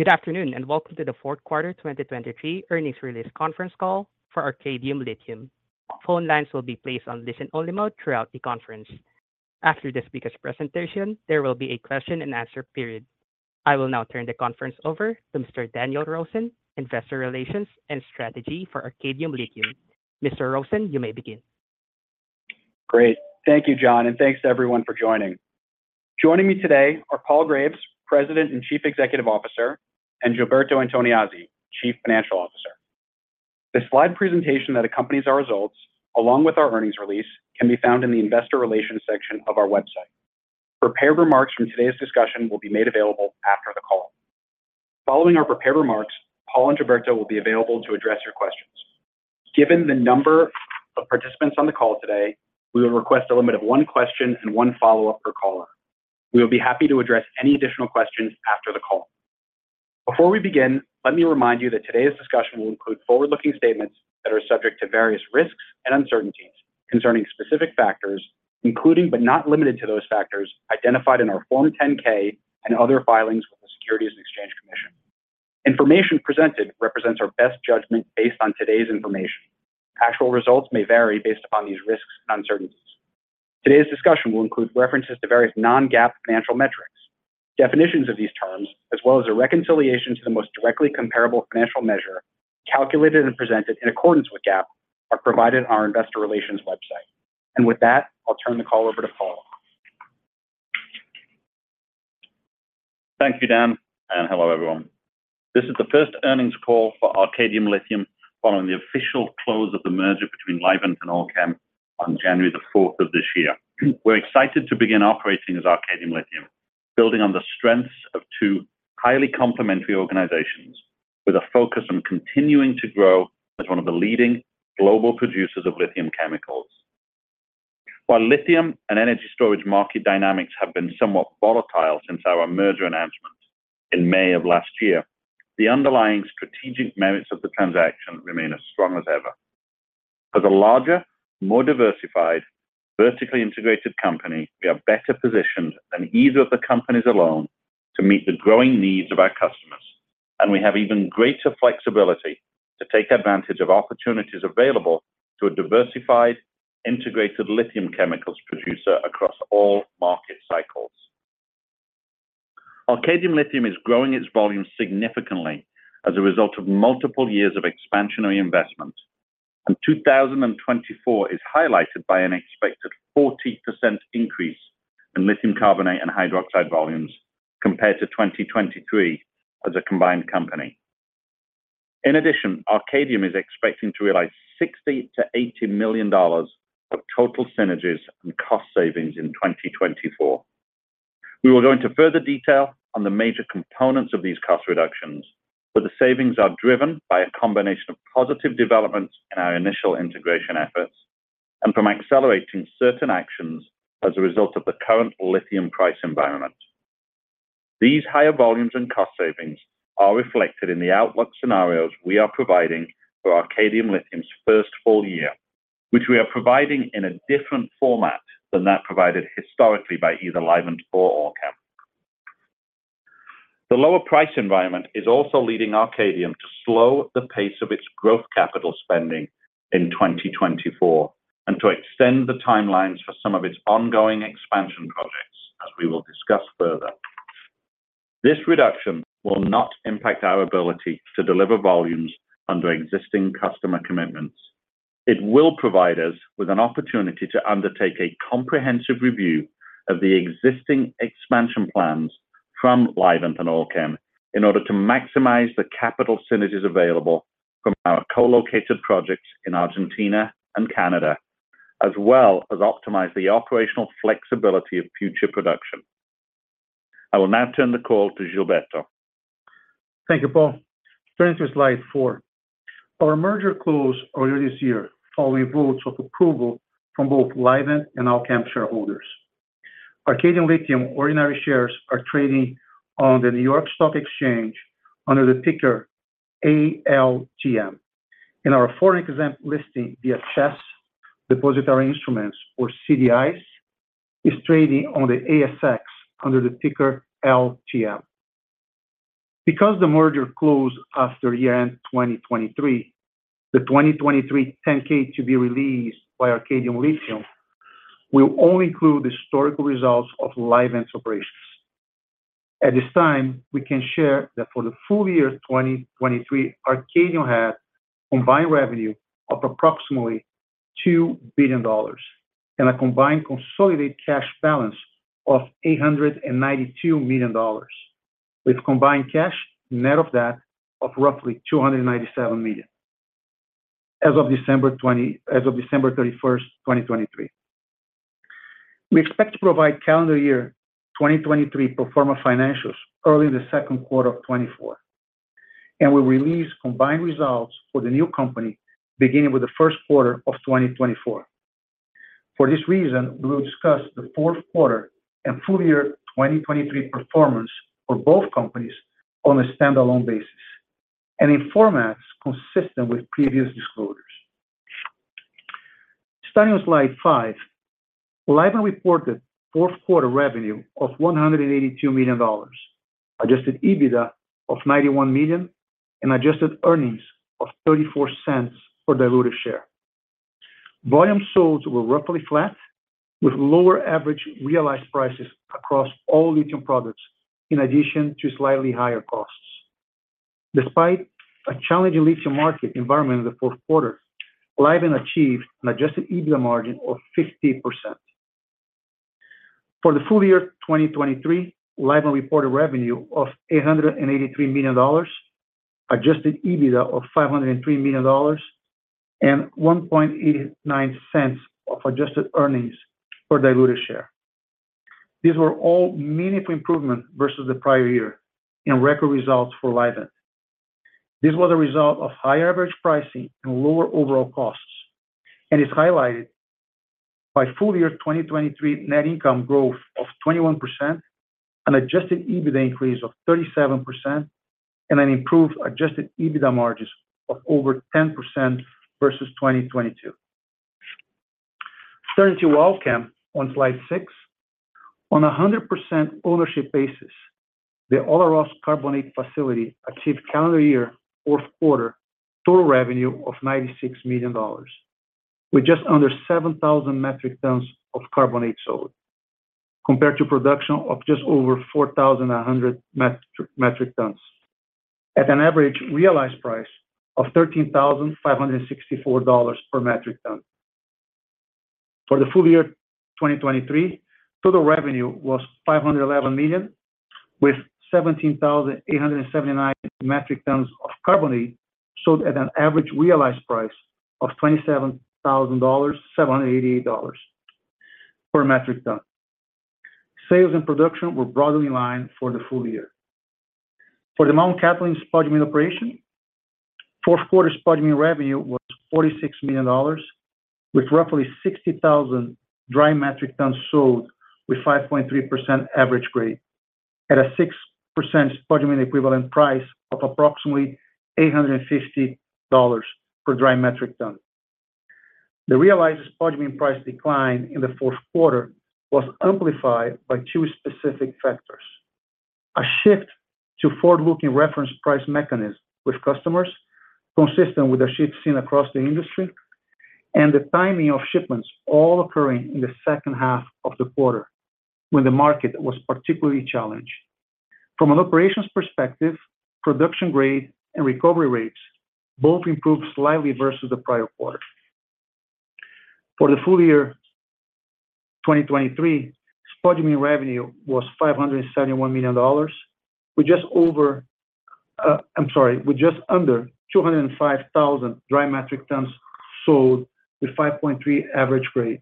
Good afternoon, and welcome to the fourth quarter 2023 earnings release conference call for Arcadium Lithium. Phone lines will be placed on listen-only mode throughout the conference. After the speaker's presentation, there will be a question and answer period. I will now turn the conference over to Mr. Daniel Rosen, Investor Relations and Strategy for Arcadium Lithium. Mr. Rosen, you may begin. Great. Thank you, John, and thanks to everyone for joining. Joining me today are Paul Graves, President and Chief Executive Officer, and Gilberto Antoniazzi, Chief Financial Officer. The slide presentation that accompanies our results, along with our earnings release, can be found in the Investor Relations section of our website. Prepared remarks from today's discussion will be made available after the call. Following our prepared remarks, Paul and Gilberto will be available to address your questions. Given the number of participants on the call today, we will request a limit of one question and one follow-up per caller. We will be happy to address any additional questions after the call. Before we begin, let me remind you that today's discussion will include forward-looking statements that are subject to various risks and uncertainties concerning specific factors, including, but not limited to, those factors identified in our Form 10-K and other filings with the Securities and Exchange Commission. Information presented represents our best judgment based on today's information. Actual results may vary based upon these risks and uncertainties. Today's discussion will include references to various non-GAAP financial metrics. Definitions of these terms, as well as a reconciliation to the most directly comparable financial measure, calculated and presented in accordance with GAAP, are provided on our investor relations website. With that, I'll turn the call over to Paul. Thank you, Dan, and hello, everyone. This is the first earnings call for Arcadium Lithium following the official close of the merger between Livent and Allkem on January the fourth of this year. We're excited to begin operating as Arcadium Lithium, building on the strengths of two highly complementary organizations with a focus on continuing to grow as one of the leading global producers of lithium chemicals. While lithium and energy storage market dynamics have been somewhat volatile since our merger announcement in May of last year, the underlying strategic merits of the transaction remain as strong as ever. As a larger, more diversified, vertically integrated company, we are better positioned than either of the companies alone to meet the growing needs of our customers, and we have even greater flexibility to take advantage of opportunities available to a diversified, integrated lithium chemicals producer across all market cycles. Arcadium Lithium is growing its volumes significantly as a result of multiple years of expansionary investment, and 2024 is highlighted by an expected 40% increase in lithium carbonate and hydroxide volumes compared to 2023 as a combined company. In addition, Arcadium is expecting to realize $60 million-$80 million of total synergies and cost savings in 2024. We will go into further detail on the major components of these cost reductions, but the savings are driven by a combination of positive developments in our initial integration efforts and from accelerating certain actions as a result of the current lithium price environment. These higher volumes and cost savings are reflected in the outlook scenarios we are providing for Arcadium Lithium's first full-year, which we are providing in a different format than that provided historically by either Livent or Allkem. The lower price environment is also leading Arcadium to slow the pace of its growth capital spending in 2024 and to extend the timelines for some of its ongoing expansion projects, as we will discuss further. This reduction will not impact our ability to deliver volumes under existing customer commitments. It will provide us with an opportunity to undertake a comprehensive review of the existing expansion plans from Livent and Allkem in order to maximize the capital synergies available from our co-located projects in Argentina and Canada, as well as optimize the operational flexibility of future production. I will now turn the call to Gilberto. Thank you, Paul. Turning to slide four. Our merger closed earlier this year, following votes of approval from both Livent and Allkem shareholders. Arcadium Lithium ordinary shares are trading on the New York Stock Exchange under the ticker ALTM, and our foreign exempt listing, the CHESS Depositary Interests or CDIs, is trading on the ASX under the ticker LTM. Because the merger closed after year-end 2023, the 2023 10-K to be released by Arcadium Lithium will only include the historical results of Livent's operations. At this time, we can share that for the full-year 2023, Arcadium had combined revenue of approximately $2 billion and a combined consolidated cash balance of $892 million, with combined cash net of debt of roughly $297 million as of December 31st, 2023. We expect to provide calendar year 2023 pro forma financials early in the second quarter of 2024, and we'll release combined results for the new company beginning with the first quarter of 2024. For this reason, we will discuss the fourth quarter and full-year 2023 performance for both companies on a standalone basis and in formats consistent with previous disclosures. Starting on slide five, Livent reported fourth quarter revenue of $182 million, adjusted EBITDA of $91 million, and adjusted earnings of $0.34 for diluted share. Volume sold were roughly flat, with lower average realized prices across all lithium products, in addition to slightly higher costs. Despite a challenging lithium market environment in the fourth quarter, Livent achieved an adjusted EBITDA margin of 50%. For the full-year 2023, Livent reported revenue of $883 million, adjusted EBITDA of $503 million, and $1.89 of adjusted earnings per diluted share. These were all meaningful improvement versus the prior year and record results for Livent. This was a result of higher average pricing and lower overall costs, and is highlighted by full-year 2023 net income growth of 21%, an adjusted EBITDA increase of 37%, and an improved adjusted EBITDA margins of over 10% versus 2022. Turning to Allkem on slide six. On a 100% ownership basis, the Olaroz carbonate facility achieved calendar year fourth quarter total revenue of $96 million, with just under 7,000 metric tons of carbonate sold, compared to production of just over 4,100 metric tons, at an average realized price of $13,564 per metric ton. For the full-year 2023, total revenue was $511 million, with 17,879 metric tons of carbonate sold at an average realized price of $27,788 per metric ton. Sales and production were broadly in line for the full-year. For the Mt Cattlin spodumene operation, fourth quarter spodumene revenue was $46 million, with roughly 60,000 dry metric tons sold, with 5.3% average grade at a SC6 spodumene equivalent price of approximately $850 per dry metric ton. The realized spodumene price decline in the fourth quarter was amplified by two specific factors: a shift to forward-looking reference price mechanism with customers, consistent with the shift seen across the industry, and the timing of shipments all occurring in the second half of the quarter, when the market was particularly challenged. From an operations perspective, production grade and recovery rates both improved slightly versus the prior quarter. For the full-year 2023, spodumene revenue was $571 million, with just over... I'm sorry, with just under 205,000 dry metric tons sold, with 5.3 average grade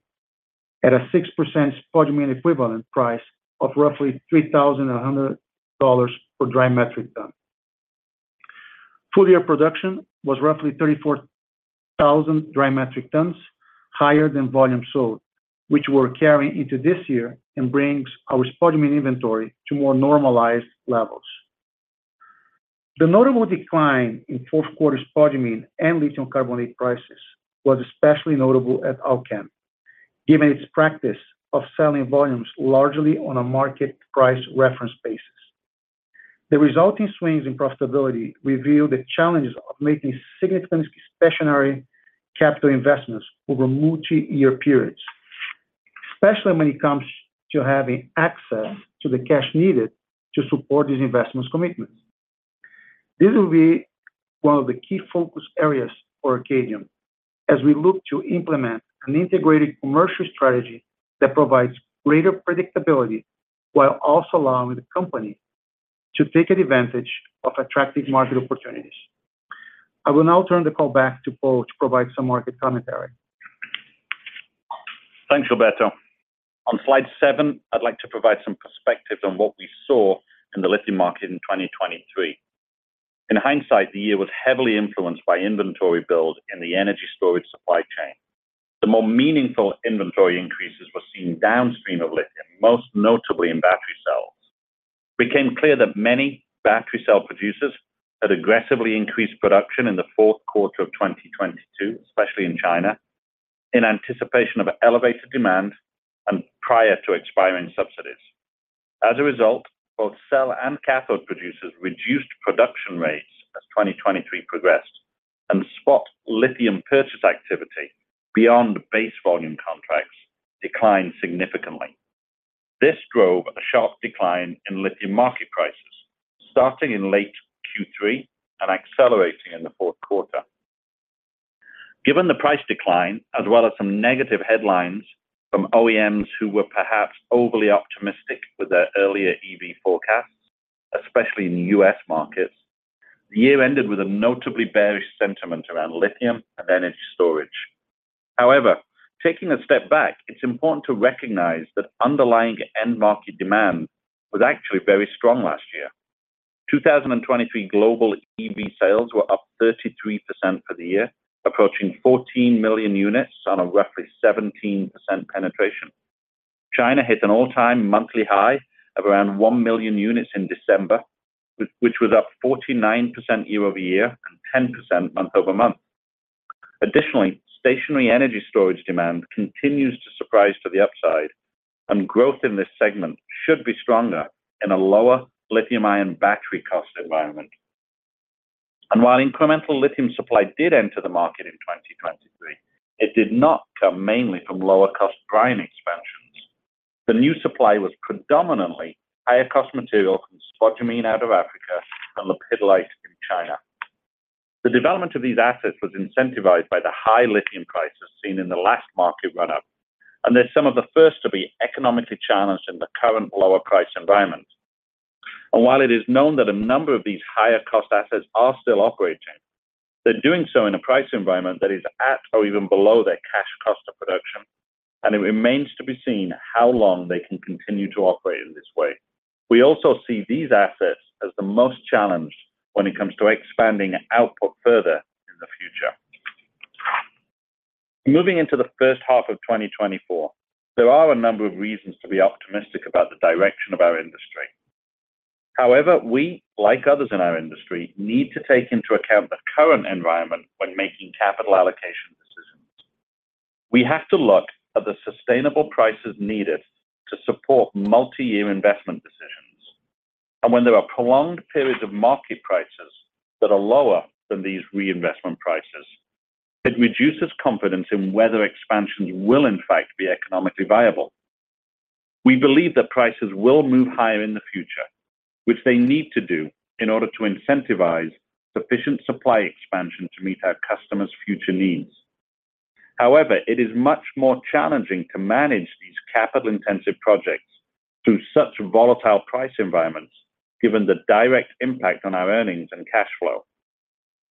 at a 6% spodumene equivalent price of roughly $3,100 per dry metric ton. full-year production was roughly 34,000 dry metric tons higher than volume sold, which we're carrying into this year and brings our spodumene inventory to more normalized levels. The notable decline in fourth quarter spodumene and lithium carbonate prices was especially notable at Allkem, given its practice of selling volumes largely on a market price reference basis. The resulting swings in profitability reveal the challenges of making significant stationary capital investments over multi-year periods, especially when it comes to having access to the cash needed to support these investments commitments. This will be one of the key focus areas for Arcadium as we look to implement an integrated commercial strategy that provides greater predictability while also allowing the company to take advantage of attractive market opportunities. I will now turn the call back to Paul to provide some market commentary. Thanks, Gilberto. On slide seven, I'd like to provide some perspective on what we saw in the lithium market in 2023. In hindsight, the year was heavily influenced by inventory build in the energy storage supply chain. The more meaningful inventory increases were seen downstream of lithium, most notably in battery cells. It became clear that many battery cell producers had aggressively increased production in the fourth quarter of 2022, especially in China, in anticipation of elevated demand and prior to expiring subsidies. As a result, both cell and cathode producers reduced production rates as 2023 progressed, and spot lithium purchase activity beyond base volume contracts declined significantly. This drove a sharp decline in lithium market prices, starting in late Q3 and accelerating in the fourth quarter. Given the price decline, as well as some negative headlines from OEMs who were perhaps overly optimistic with their earlier EV forecasts, especially in the U.S. markets, the year-ended with a notably bearish sentiment around lithium and energy storage. However, taking a step back, it's important to recognize that underlying end market demand was actually very strong last year. 2023 global EV sales were up 33% for the year, approaching 14 million units on a roughly 17% penetration....China hit an all-time monthly high of around 1 million units in December, which was up 49% year-over-year and 10% month-over-month. Additionally, stationary energy storage demand continues to surprise to the upside, and growth in this segment should be stronger in a lower lithium-ion battery cost environment. While incremental lithium supply did enter the market in 2023, it did not come mainly from lower cost brine expansions. The new supply was predominantly higher cost material from spodumene out of Africa and lepidolite in China. The development of these assets was incentivized by the high lithium prices seen in the last market run up, and they're some of the first to be economically challenged in the current lower price environment. While it is known that a number of these higher cost assets are still operating, they're doing so in a price environment that is at or even below their cash cost of production, and it remains to be seen how long they can continue to operate in this way. We also see these assets as the most challenged when it comes to expanding output further in the future. Moving into the first half of 2024, there are a number of reasons to be optimistic about the direction of our industry. However, we, like others in our industry, need to take into account the current environment when making capital allocation decisions. We have to look at the sustainable prices needed to support multi-year investment decisions. When there are prolonged periods of market prices that are lower than these reinvestment prices, it reduces confidence in whether expansions will, in fact, be economically viable. We believe that prices will move higher in the future, which they need to do in order to incentivize sufficient supply expansion to meet our customers' future needs. However, it is much more challenging to manage these capital-intensive projects through such volatile price environments, given the direct impact on our earnings and cash flow.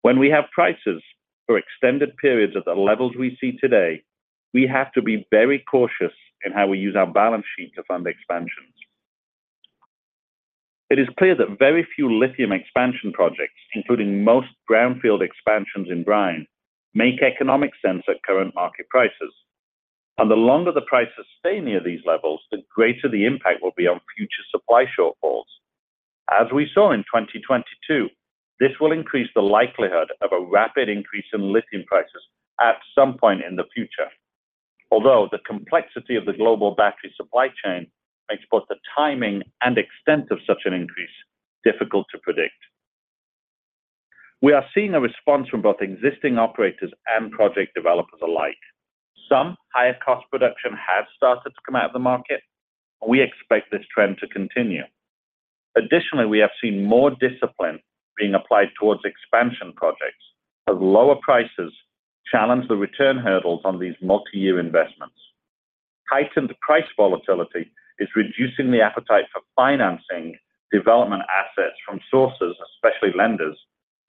When we have prices for extended periods at the levels we see today, we have to be very cautious in how we use our balance sheet to fund expansions. It is clear that very few lithium expansion projects, including most brownfield expansions in brine, make economic sense at current market prices. The longer the prices stay near these levels, the greater the impact will be on future supply shortfalls. As we saw in 2022, this will increase the likelihood of a rapid increase in lithium prices at some point in the future. Although the complexity of the global battery supply chain makes both the timing and extent of such an increase difficult to predict. We are seeing a response from both existing operators and project developers alike. Some higher cost production has started to come out of the market, and we expect this trend to continue. Additionally, we have seen more discipline being applied towards expansion projects, as lower prices challenge the return hurdles on these multi-year investments. Heightened price volatility is reducing the appetite for financing development assets from sources, especially lenders,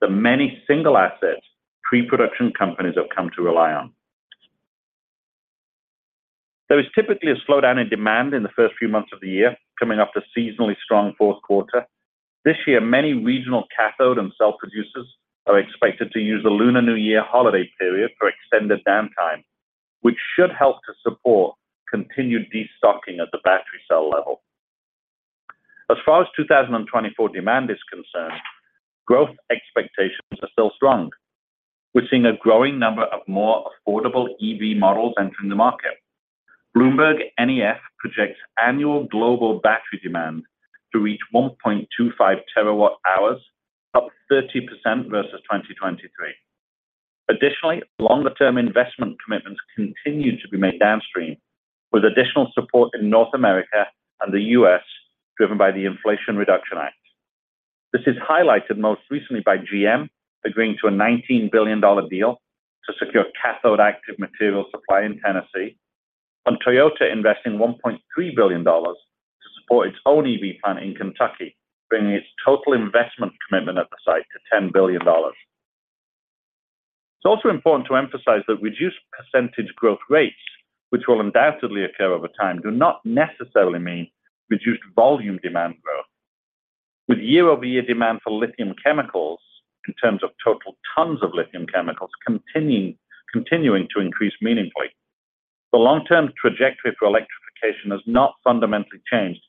the many single asset pre-production companies have come to rely on. There is typically a slowdown in demand in the first few months of the year, coming after a seasonally strong fourth quarter. This year, many regional cathode and cell producers are expected to use the Lunar New Year holiday period for extended downtime, which should help to support continued destocking at the battery cell level. As far as 2024 demand is concerned, growth expectations are still strong. We're seeing a growing number of more affordable EV models entering the market. BloombergNEF projects annual global battery demand to reach 1.25 terawatt-hours, up 30% versus 2023. Additionally, longer-term investment commitments continue to be made downstream, with additional support in North America and the U.S., driven by the Inflation Reduction Act. This is highlighted most recently by GM agreeing to a $19 billion deal to secure cathode active material supply in Tennessee, and Toyota investing $1.3 billion to support its own EV plant in Kentucky, bringing its total investment commitment at the site to $10 billion. It's also important to emphasize that reduced percentage growth rates, which will undoubtedly occur over time, do not necessarily mean reduced volume demand growth. With year-over-year demand for lithium chemicals, in terms of total tons of lithium chemicals, continuing to increase meaningfully, the long-term trajectory for electrification has not fundamentally changed,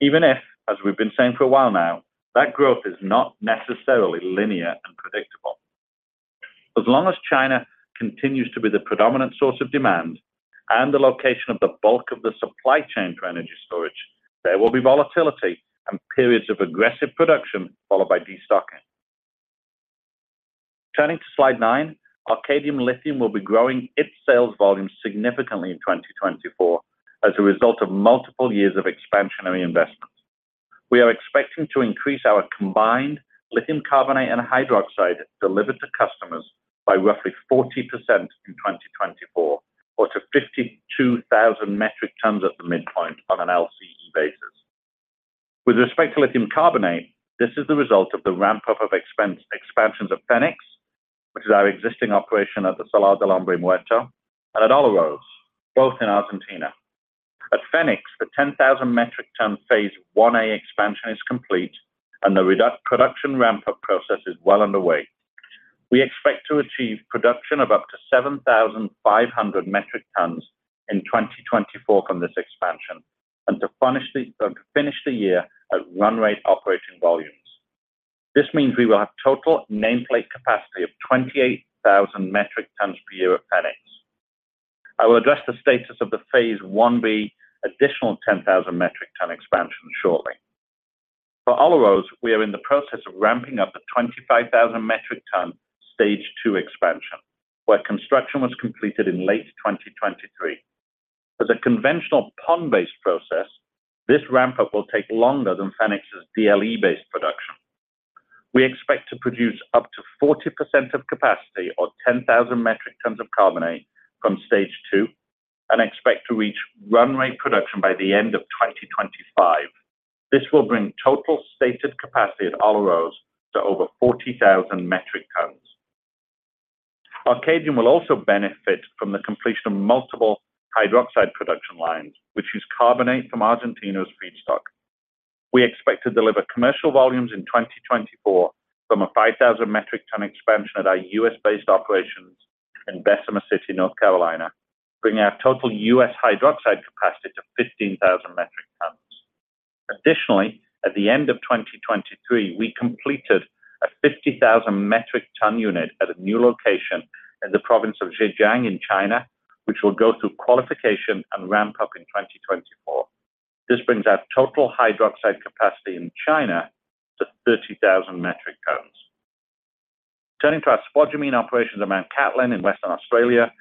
even if, as we've been saying for a while now, that growth is not necessarily linear and predictable. As long as China continues to be the predominant source of demand and the location of the bulk of the supply chain for energy storage, there will be volatility and periods of aggressive production, followed by destocking. Turning to slide nine, Arcadium Lithium will be growing its sales volume significantly in 2024 as a result of multiple years of expansionary investments. We are expecting to increase our combined lithium carbonate and hydroxide delivered to customers by roughly 40% in 2024 or to 52,000 metric tons at the midpoint on an LCE basis. With respect to lithium carbonate, this is the result of the ramp-up of expansions of Fenix, which is our existing operation at the Salar del Hombre Muerto, and at Olaroz, both in Argentina. At Fenix, the 10,000 metric ton phase I-A expansion is complete, and the production ramp-up process is well underway. We expect to achieve production of up to 7,500 metric tons in 2024 from this expansion, and to finish the year at run rate operating volumes. This means we will have total nameplate capacity of 28,000 metric tons per year of Fenix. I will address the status of the phase I-B additional 10,000 metric ton expansion shortly. For Olaroz, we are in the process of ramping up the 25,000 metric ton Stage 2 expansion, where construction was completed in late 2023. As a conventional pond-based process, this ramp-up will take longer than Fenix's DLE-based production. We expect to produce up to 40% of capacity or 10,000 metric tons of carbonate from Stage 2 and expect Stage 2 to reach run rate production by the end of 2025. This will bring total stated capacity at Olaroz to over 40,000 metric tons. Arcadium will also benefit from the completion of multiple hydroxide production lines, which use carbonate from Argentina's feedstock. We expect to deliver commercial volumes in 2024 from a 5,000 metric ton expansion at our U.S.-based operations in Bessemer City, North Carolina, bringing our total U.S. hydroxide capacity to 15,000 metric tons. Additionally, at the end of 2023, we completed a 50,000 metric ton unit at a new location in the province of Zhejiang in China, which will go through qualification and ramp up in 2024. This brings our total hydroxide capacity in China to 30,000 metric tons. Turning to our spodumene operations at Mt Cattlin in Western Australia,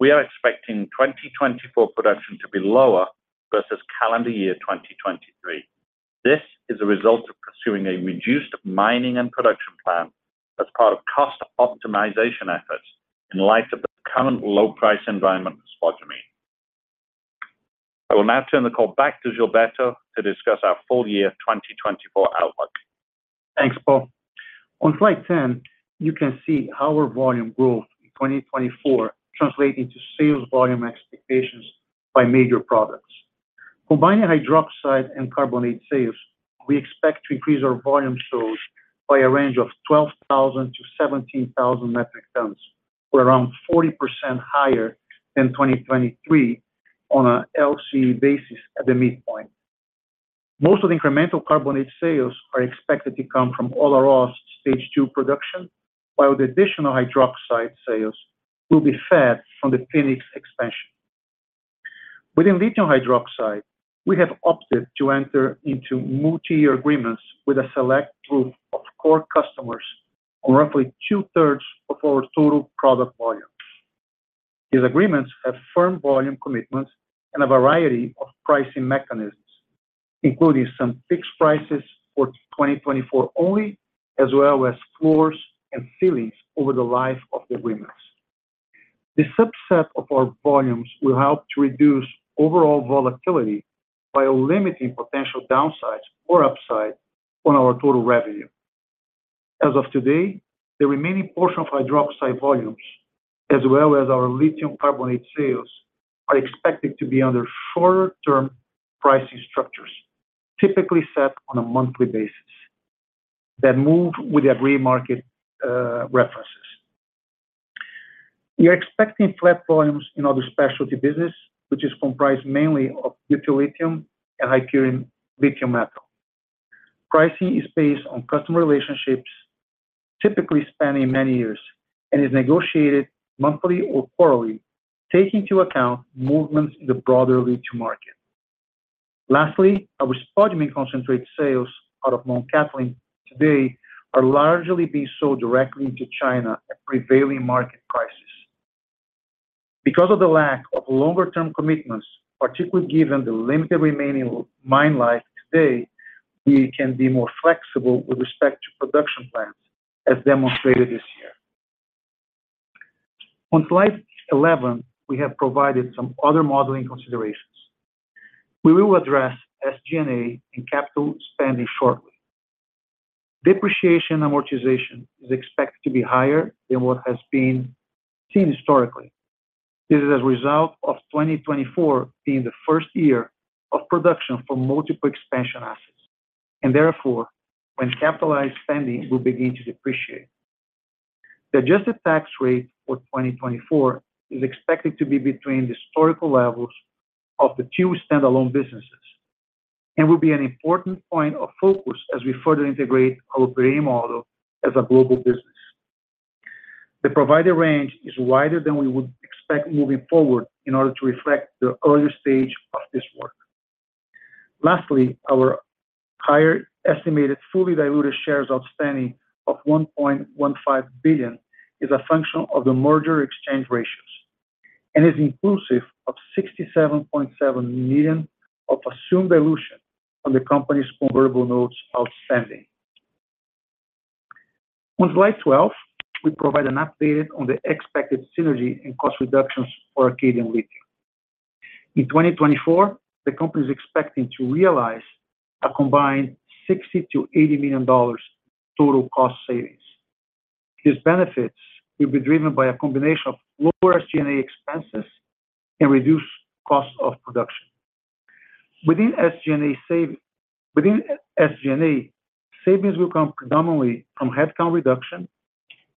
we are expecting 2024 production to be lower versus calendar year 2023. This is a result of pursuing a reduced mining and production plan as part of cost optimization efforts in light of the current low price environment of spodumene. I will now turn the call back to Gilberto to discuss our full-year 2024 outlook. Thanks, Paul. On slide 10, you can see our volume growth in 2024 translate into sales volume expectations by major products. Combining hydroxide and carbonate sales, we expect to increase our volume sales by a range of 12,000 metric tons-17,000 metric tons, or around 40% higher than 2023 on a LCE basis at the midpoint. Most of the incremental carbonate sales are expected to come from Olaroz Stage 2 production, while the additional hydroxide sales will be fed from the Fenix expansion. Within lithium hydroxide, we have opted to enter into multi-year agreements with a select group of core customers on roughly two-thirds of our total product volume. These agreements have firm volume commitments and a variety of pricing mechanisms, including some fixed prices for 2024 only, as well as floors and ceilings over the life of the agreements. This subset of our volumes will help to reduce overall volatility by limiting potential downsides or upside on our total revenue. As of today, the remaining portion of hydroxide volumes, as well as our lithium carbonate sales, are expected to be under shorter-term pricing structures, typically set on a monthly basis, that move with the agreed market references. We are expecting flat volumes in other specialty business, which is comprised mainly of butyllithium and high-purity lithium metal. Pricing is based on customer relationships, typically spanning many years, and is negotiated monthly or quarterly, taking into account movements in the broader lithium market. Lastly, our spodumene concentrate sales out of Mt Cattlin today are largely being sold directly to China at prevailing market prices. Because of the lack of longer-term commitments, particularly given the limited remaining mine life today, we can be more flexible with respect to production plans, as demonstrated this year. On slide 11, we have provided some other modeling considerations. We will address SG&A and capital spending shortly. Depreciation amortization is expected to be higher than what has been seen historically. This is as a result of 2024 being the first year of production for multiple expansion assets, and therefore, when capitalized spending will begin to depreciate. The adjusted tax rate for 2024 is expected to be between the historical levels of the two standalone businesses and will be an important point of focus as we further integrate our operating model as a global business. The provided range is wider than we would expect moving forward in order to reflect the early stage of this work. Lastly, our higher estimated fully diluted shares outstanding of 1.15 billion is a function of the merger exchange ratios and is inclusive of 67.7 million of assumed dilution on the company's convertible notes outstanding. On slide 12, we provide an update on the expected synergy and cost reductions for Arcadium Lithium. In 2024, the company is expecting to realize a combined $60 million-$80 million total cost savings. These benefits will be driven by a combination of lower SG&A expenses and reduced costs of production. Within SG&A, savings will come predominantly from headcount reduction,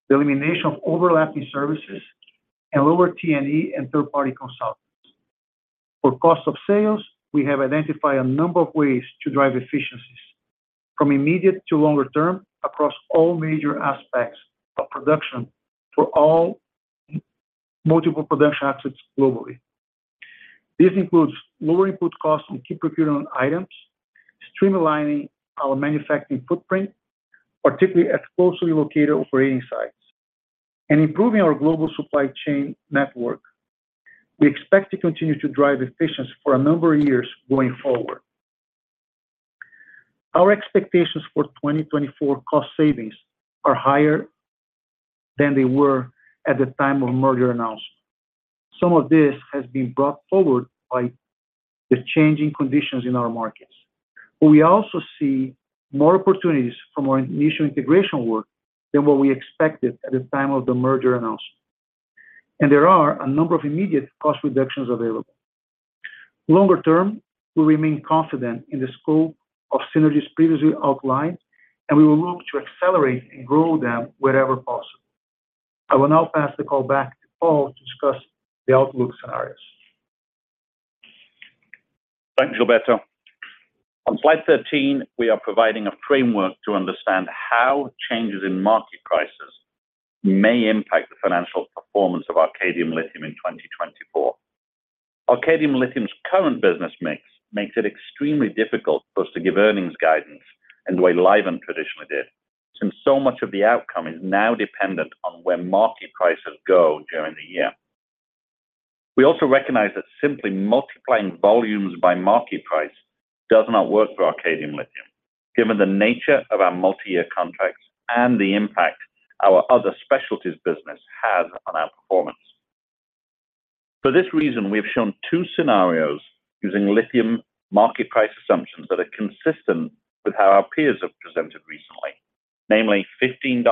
the elimination of overlapping services, and lower T&E and third-party consultants. For cost of sales, we have identified a number of ways to drive efficiencies, from immediate to longer term, across all major aspects of production for all multiple production assets globally. This includes lower input costs on key procurement items, streamlining our manufacturing footprint, particularly at closely located operating sites, and improving our global supply chain network. We expect to continue to drive efficiency for a number of years going forward. Our expectations for 2024 cost savings are higher than they were at the time of merger announcement. Some of this has been brought forward by the changing conditions in our markets, but we also see more opportunities from our initial integration work than what we expected at the time of the merger announcement. There are a number of immediate cost reductions available. Longer term, we remain confident in the scope of synergies previously outlined, and we will look to accelerate and grow them wherever possible. I will now pass the call back to Paul to discuss the outlook scenarios. Thanks, Gilberto. On slide 13, we are providing a framework to understand how changes in market prices may impact the financial performance of Arcadium Lithium in 2024. Arcadium Lithium's current business mix makes it extremely difficult for us to give earnings guidance in the way Livent traditionally did, since so much of the outcome is now dependent on where market prices go during the year. We also recognize that simply multiplying volumes by market price does not work for Arcadium Lithium, given the nature of our multi-year contracts and the impact our other specialties business has on our performance. For this reason, we have shown two scenarios using lithium market price assumptions that are consistent with how our peers have presented recently, namely $15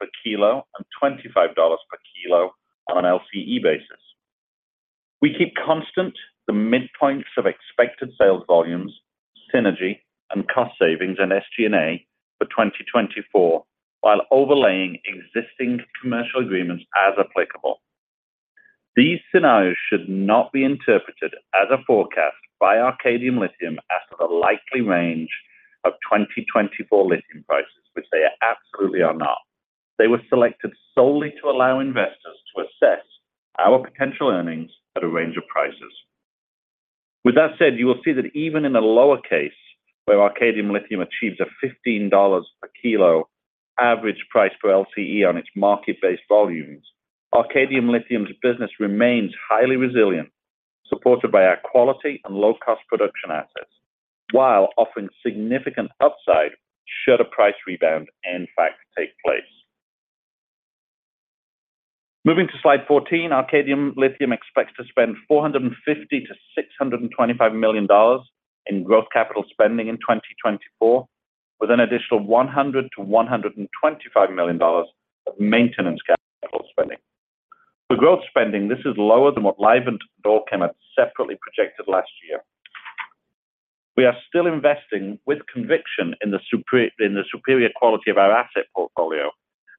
per kilo and $25 per kilo on an LCE basis. We keep constant the midpoints of expected sales volumes, synergy, and cost savings in SG&A for 2024, while overlaying existing commercial agreements as applicable. These scenarios should not be interpreted as a forecast by Arcadium Lithium as to the likely range of 2024 lithium prices, which they absolutely are not. They were selected solely to allow investors to assess our potential earnings at a range of prices. With that said, you will see that even in a lower case, where Arcadium Lithium achieves a $15/kg average price per LCE on its market-based volumes, Arcadium Lithium's business remains highly resilient, supported by our quality and low-cost production assets, while offering significant upside should a price rebound in fact take place. Moving to slide 14, Arcadium Lithium expects to spend $450 million-$625 million in growth capital spending in 2024, with an additional $100 million-$125 million of maintenance capital spending. For growth spending, this is lower than what Livent and Allkem separately projected last year. We are still investing with conviction in the superior quality of our asset portfolio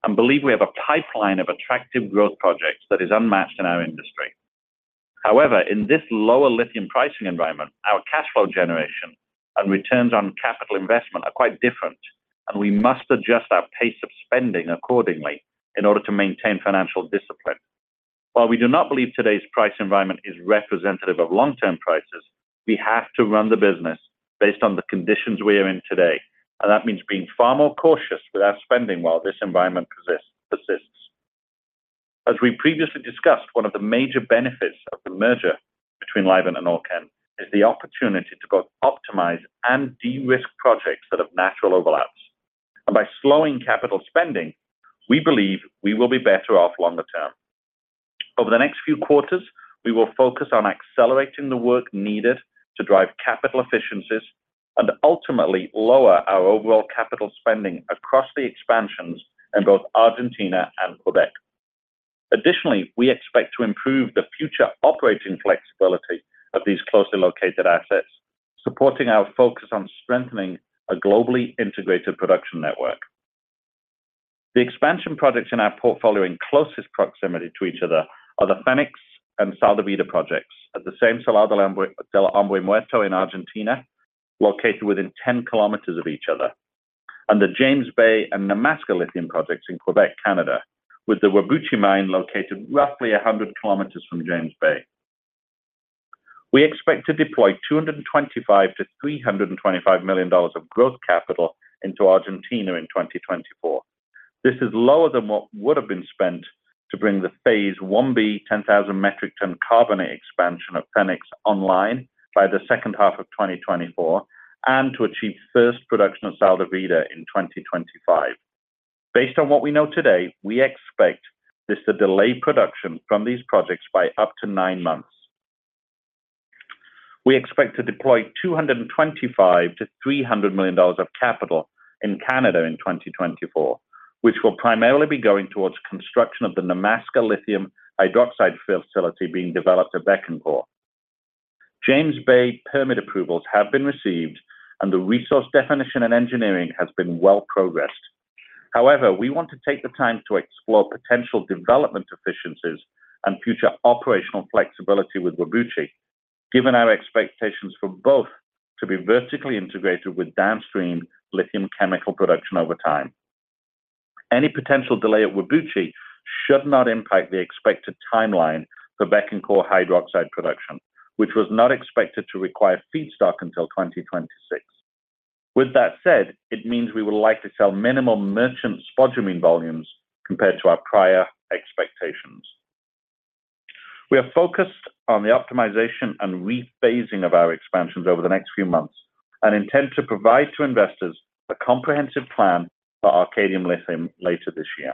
and believe we have a pipeline of attractive growth projects that is unmatched in our industry. However, in this lower lithium pricing environment, our cash flow generation and returns on capital investment are quite different, and we must adjust our pace of spending accordingly in order to maintain financial discipline. While we do not believe today's price environment is representative of long-term prices, we have to run the business based on the conditions we are in today, and that means being far more cautious with our spending while this environment persists. As we previously discussed, one of the major benefits of the merger between Livent and Allkem is the opportunity to both optimize and de-risk projects that have natural overlaps. By slowing capital spending, we believe we will be better off longer term. Over the next few quarters, we will focus on accelerating the work needed to drive capital efficiencies and ultimately lower our overall capital spending across the expansions in both Argentina and Quebec. Additionally, we expect to improve the future operating flexibility of these closely located assets, supporting our focus on strengthening a globally integrated production network. The expansion projects in our portfolio in closest proximity to each other are the Fenix and Sal de Vida projects at the same Salar del Hombre Muerto in Argentina, located within 10 kilometers of each other, and the James Bay and Nemaska Lithium projects in Quebec, Canada, with the Whabouchi mine located roughly 100 kilometers from James Bay. We expect to deploy $225 million-$325 million of growth capital into Argentina in 2024. This is lower than what would have been spent to bring the phase I-B 10,000 metric ton carbonate expansion of Fenix online by the second half of 2024, and to achieve first production of Sal de Vida in 2025. Based on what we know today, we expect this to delay production from these projects by up to nine months. We expect to deploy $225 million-$300 million of capital in Canada in 2024, which will primarily be going towards construction of the Nemaska Lithium hydroxide facility being developed at Bécancour. James Bay permit approvals have been received, and the resource definition and engineering has been well progressed. However, we want to take the time to explore potential development efficiencies and future operational flexibility with Whabouchi, given our expectations for both to be vertically integrated with downstream lithium chemical production over time. Any potential delay at Whabouchi should not impact the expected timeline for Bécancour hydroxide production, which was not expected to require feedstock until 2026. With that said, it means we will likely sell minimal merchant spodumene volumes compared to our prior expectations. We are focused on the optimization and rephasing of our expansions over the next few months and intend to provide to investors a comprehensive plan for Arcadium Lithium later this year.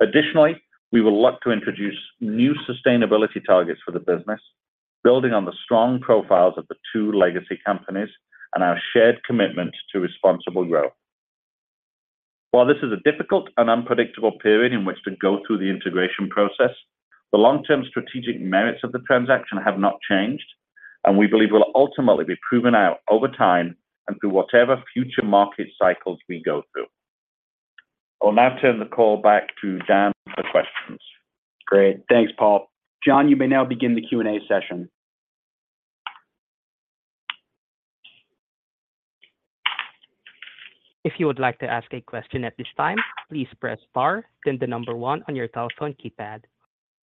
Additionally, we will look to introduce new sustainability targets for the business, building on the strong profiles of the two legacy companies and our shared commitment to responsible growth. While this is a difficult and unpredictable period in which to go through the integration process, the long-term strategic merits of the transaction have not changed, and we believe will ultimately be proven out over time and through whatever future market cycles we go through. I'll now turn the call back to Dan for questions. Great. Thanks, Paul. John, you may now begin the Q&A session. If you would like to ask a question at this time, please press star, then the number one on your telephone keypad.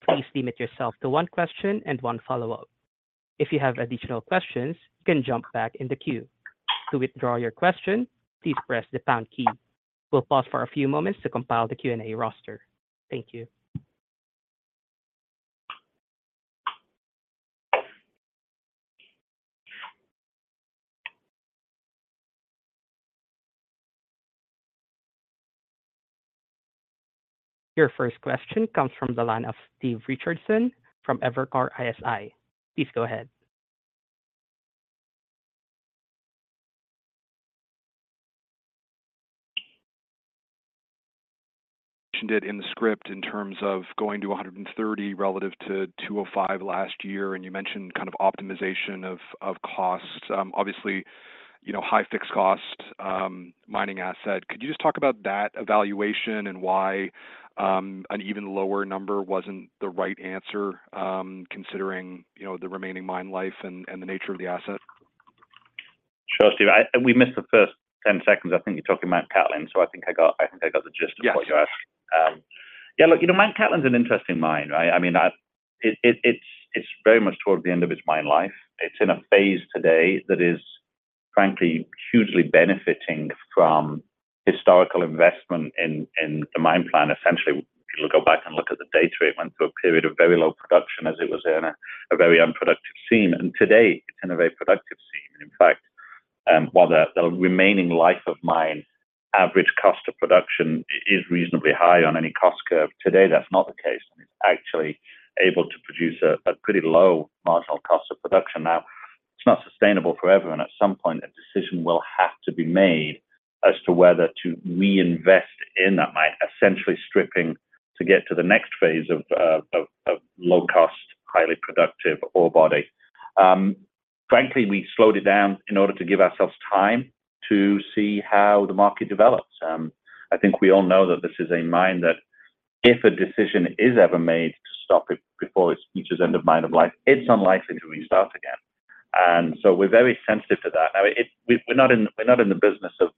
Please limit yourself to one question and one follow-up. If you have additional questions, you can jump back in the queue. To withdraw your question, please press the pound key. We'll pause for a few moments to compile the Q&A roster. Thank you. Your first question comes from the line of Stephen Richardson from Evercore ISI. Please go ahead. Mentioned it in the script in terms of going to 130 relative to 205 last year, and you mentioned kind of optimization of costs. Obviously, you know, high fixed cost mining asset. Could you just talk about that evaluation and why an even lower number wasn't the right answer, considering, you know, the remaining mine life and the nature of the asset? Sure, Steve. I—we missed the first 10 seconds. I think you're talking Mt Cattlin, so I think I got, I think I got the gist- Yes. -of what you're asking. Yeah, look, you know, Mt Cattlin is an interesting mine, right? I mean, it's very much toward the end of its mine life. It's in a phase today that is, frankly, hugely benefiting from historical investment in the mine plan. Essentially, if you go back and look at the data, it went through a period of very low production as it was in a very unproductive scene, and today, it's in a very productive scene. In fact, while the remaining life of mine, average cost of production is reasonably high on any cost curve, today, that's not the case. It's actually able to produce a pretty low marginal cost of production. Now, it's not sustainable forever, and at some point, a decision will have to be made as to whether to reinvest in that mine, essentially stripping to get to the next phase of low cost, highly productive ore body. Frankly, we slowed it down in order to give ourselves time to see how the market develops. I think we all know that this is a mine that if a decision is ever made to stop it before it reaches end of mine of life, it's unlikely to restart again. And so we're very sensitive to that. Now, it's. We're not in the business of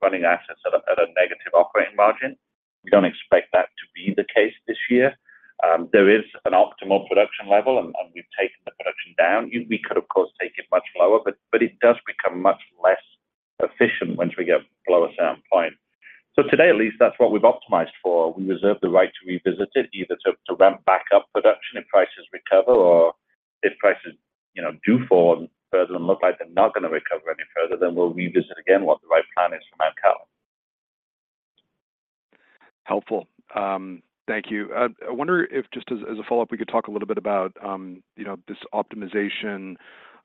running assets at a negative operating margin. We don't expect that to be the case this year. There is an optimal production level, and we've taken the production down. We could, of course, take it much lower, but, but it does become much less efficient once we get below a certain point. So today, at least, that's what we've optimized for. We reserve the right to revisit it, either to, to ramp back up production if prices recover or if prices, you know, do fall further and look like they're not going to recover any further, then we'll revisit again what the right plan is for Mt Cattlin. Helpful. Thank you. I wonder if, just as, as a follow-up, we could talk a little bit about, you know, this optimization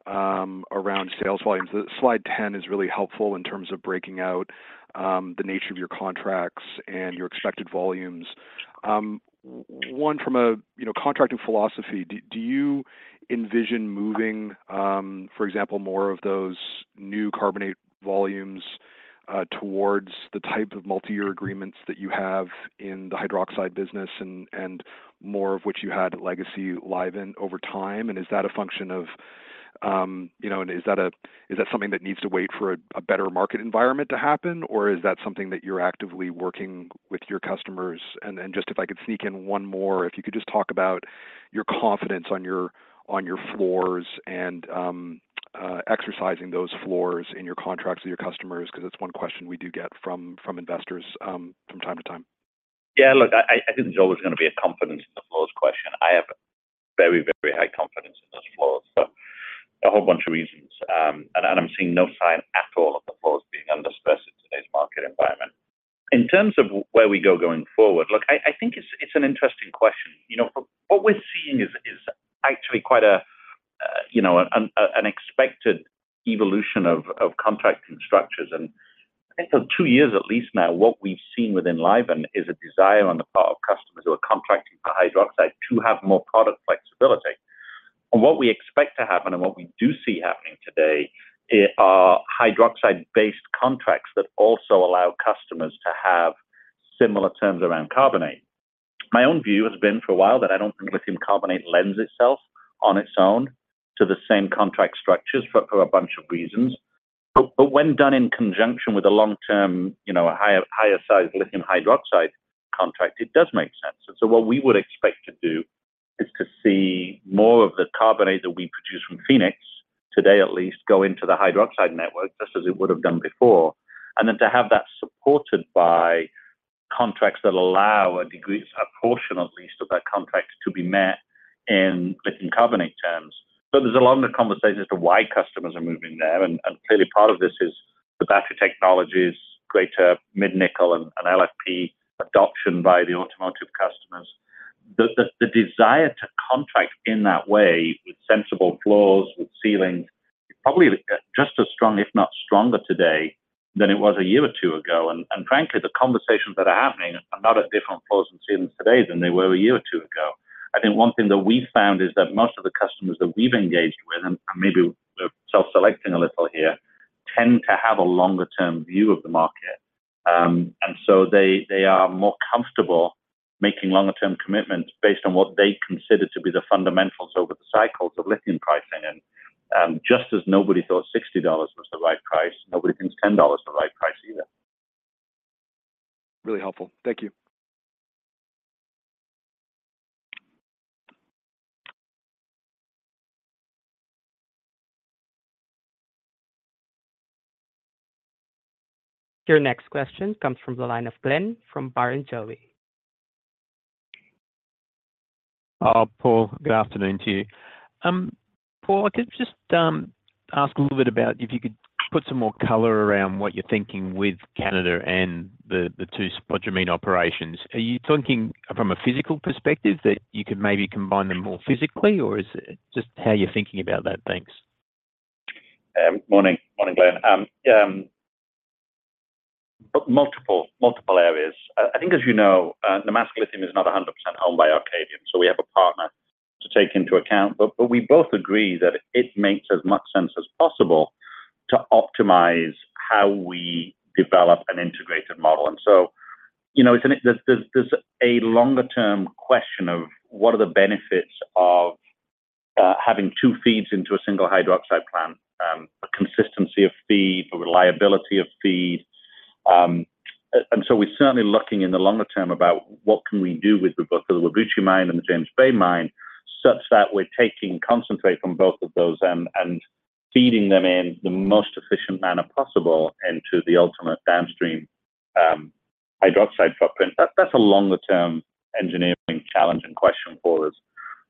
around sales volumes. Slide 10 is really helpful in terms of breaking out the nature of your contracts and your expected volumes. One, from a, you know, contracting philosophy, do you envision moving, for example, more of those new carbonate volumes towards the type of multiyear agreements that you have in the hydroxide business and more of which you had at Legacy Livent over time? And is that a function of, you know, is that something that needs to wait for a better market environment to happen, or is that something that you're actively working with your customers? And just if I could sneak in one more, if you could just talk about your confidence on your floors and exercising those floors in your contracts with your customers, because it's one question we do get from investors from time to time. Yeah, look, I think there's always going to be a confidence in the floors question. I have very, very high confidence in those floors for a whole bunch of reasons, and I'm seeing no sign at all of the floors being under stress in today's market environment. In terms of where we go going forward, look, I think it's an interesting question. You know, what we're seeing is actually quite you know, an expected evolution of contracting structures. And I think for two years at least now, what we've seen with Livent is a desire on the part of customers who are contracting for hydroxide to have more product flexibility. And what we expect to happen and what we do see happening today is are hydroxide-based contracts that also allow customers to have similar terms around carbonate. My own view has been for a while that I don't think lithium carbonate lends itself on its own to the same contract structures for, for a bunch of reasons. But, but when done in conjunction with a long-term, you know, a higher, higher size lithium hydroxide contract, it does make sense. And so what we would expect to do is to see more of the carbonate that we produce from Fenix today, at least, go into the hydroxide network, just as it would have done before, and then to have that supported by contracts that allow a degree, a portion at least, of that contract to be met in lithium carbonate terms. So there's a lot of conversation as to why customers are moving there, and, and clearly part of this is the battery technologies, greater mid-nickel and, and LFP adoption by the automotive customers. The desire to contract in that way, with sensible floors, with ceilings, is probably just as strong, if not stronger today than it was a year or two ago. And frankly, the conversations that are happening are not at different floors and ceilings today than they were a year or two ago. I think one thing that we found is that most of the customers that we've engaged with, and maybe we're self-selecting a little here, tend to have a longer-term view of the market. And so they are more comfortable making longer-term commitments based on what they consider to be the fundamentals over the cycles of lithium pricing. And just as nobody thought $60 was the right price, nobody thinks $10 is the right price either. Really helpful. Thank you. Your next question comes from the line of Glyn from Barrenjoey. Paul, good afternoon to you. Paul, I could just ask a little bit about if you could put some more color around what you're thinking with Canada and the two spodumene operations. Are you talking from a physical perspective that you could maybe combine them more physically, or is it just how you're thinking about that? Thanks. Morning. Morning, Glyn. Multiple areas. I think, as you know, the Nemaska Lithium is not 100% owned by Arcadium, so we have a partner to take into account. But we both agree that it makes as much sense as possible to optimize how we develop an integrated model. And so, you know, it's an... There's a longer-term question of what are the benefits of having two feeds into a single hydroxide plant? A consistency of feed, a reliability of feed. And so we're certainly looking in the longer term about what can we do with both the Whabouchi mine and the James Bay mine, such that we're taking concentrate from both of those and feeding them in the most efficient manner possible into the ultimate downstream hydroxide footprint. That's a longer-term engineering challenge and question for us.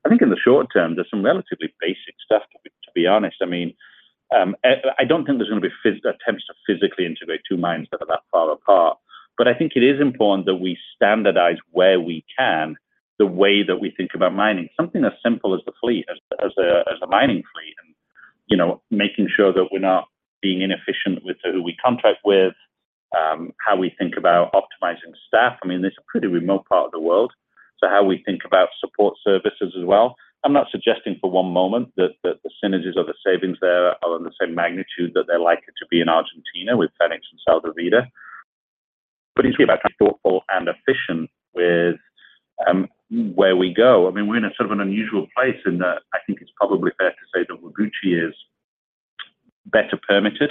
I think in the short term, there's some relatively basic stuff, to be honest. I mean, I don't think there's gonna be attempts to physically integrate two mines that are that far apart. But I think it is important that we standardize where we can, the way that we think about mining. Something as simple as the fleet, as a mining fleet, and, you know, making sure that we're not being inefficient with who we contract with, how we think about optimizing staff. I mean, this is a pretty remote part of the world, so how we think about support services as well. I'm not suggesting for one moment that the synergies or the savings there are on the same magnitude that they're likely to be in Argentina with Fenix and Sal de Vida. But it's about being thoughtful and efficient with where we go. I mean, we're in a sort of an unusual place in that I think it's probably fair to say that Whabouchi is better permitted,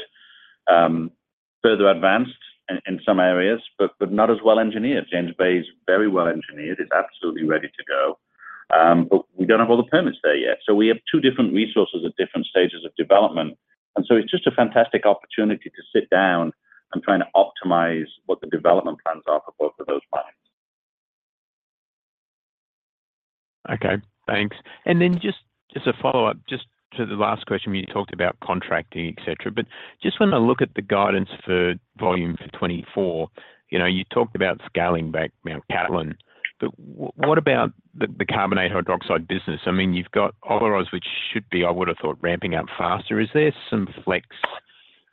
further advanced in some areas, but not as well engineered. James Bay is very well engineered, it's absolutely ready to go, but we don't have all the permits there yet. So we have two different resources at different stages of development, and so it's just a fantastic opportunity to sit down and try to optimize what the development plans are for both of those mines. Okay, thanks. And then just, just a follow-up, just to the last question where you talked about contracting, etcetera. But just when I look at the guidance for volume for 2024, you know, you talked about scaling back Mt Cattlin, but w-what about the, the carbonate hydroxide business? I mean, you've got Olaroz, which should be, I would have thought, ramping up faster. Is there some flex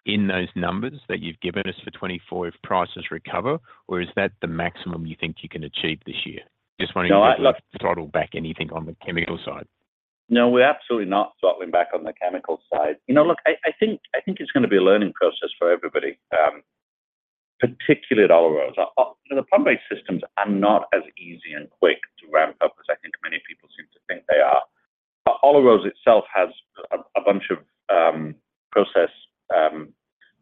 in those numbers that you've given us for 2024 if prices recover, or is that the maximum you think you can achieve this year? Just wondering. No, look- If you need to throttle back anything on the chemical side. No, we're absolutely not throttling back on the chemical side. You know, look, I think it's gonna be a learning process for everybody, particularly at Olaroz. The pump-based systems are not as easy and quick to ramp up as I think many people seem to think they are. Olaroz itself has a bunch of process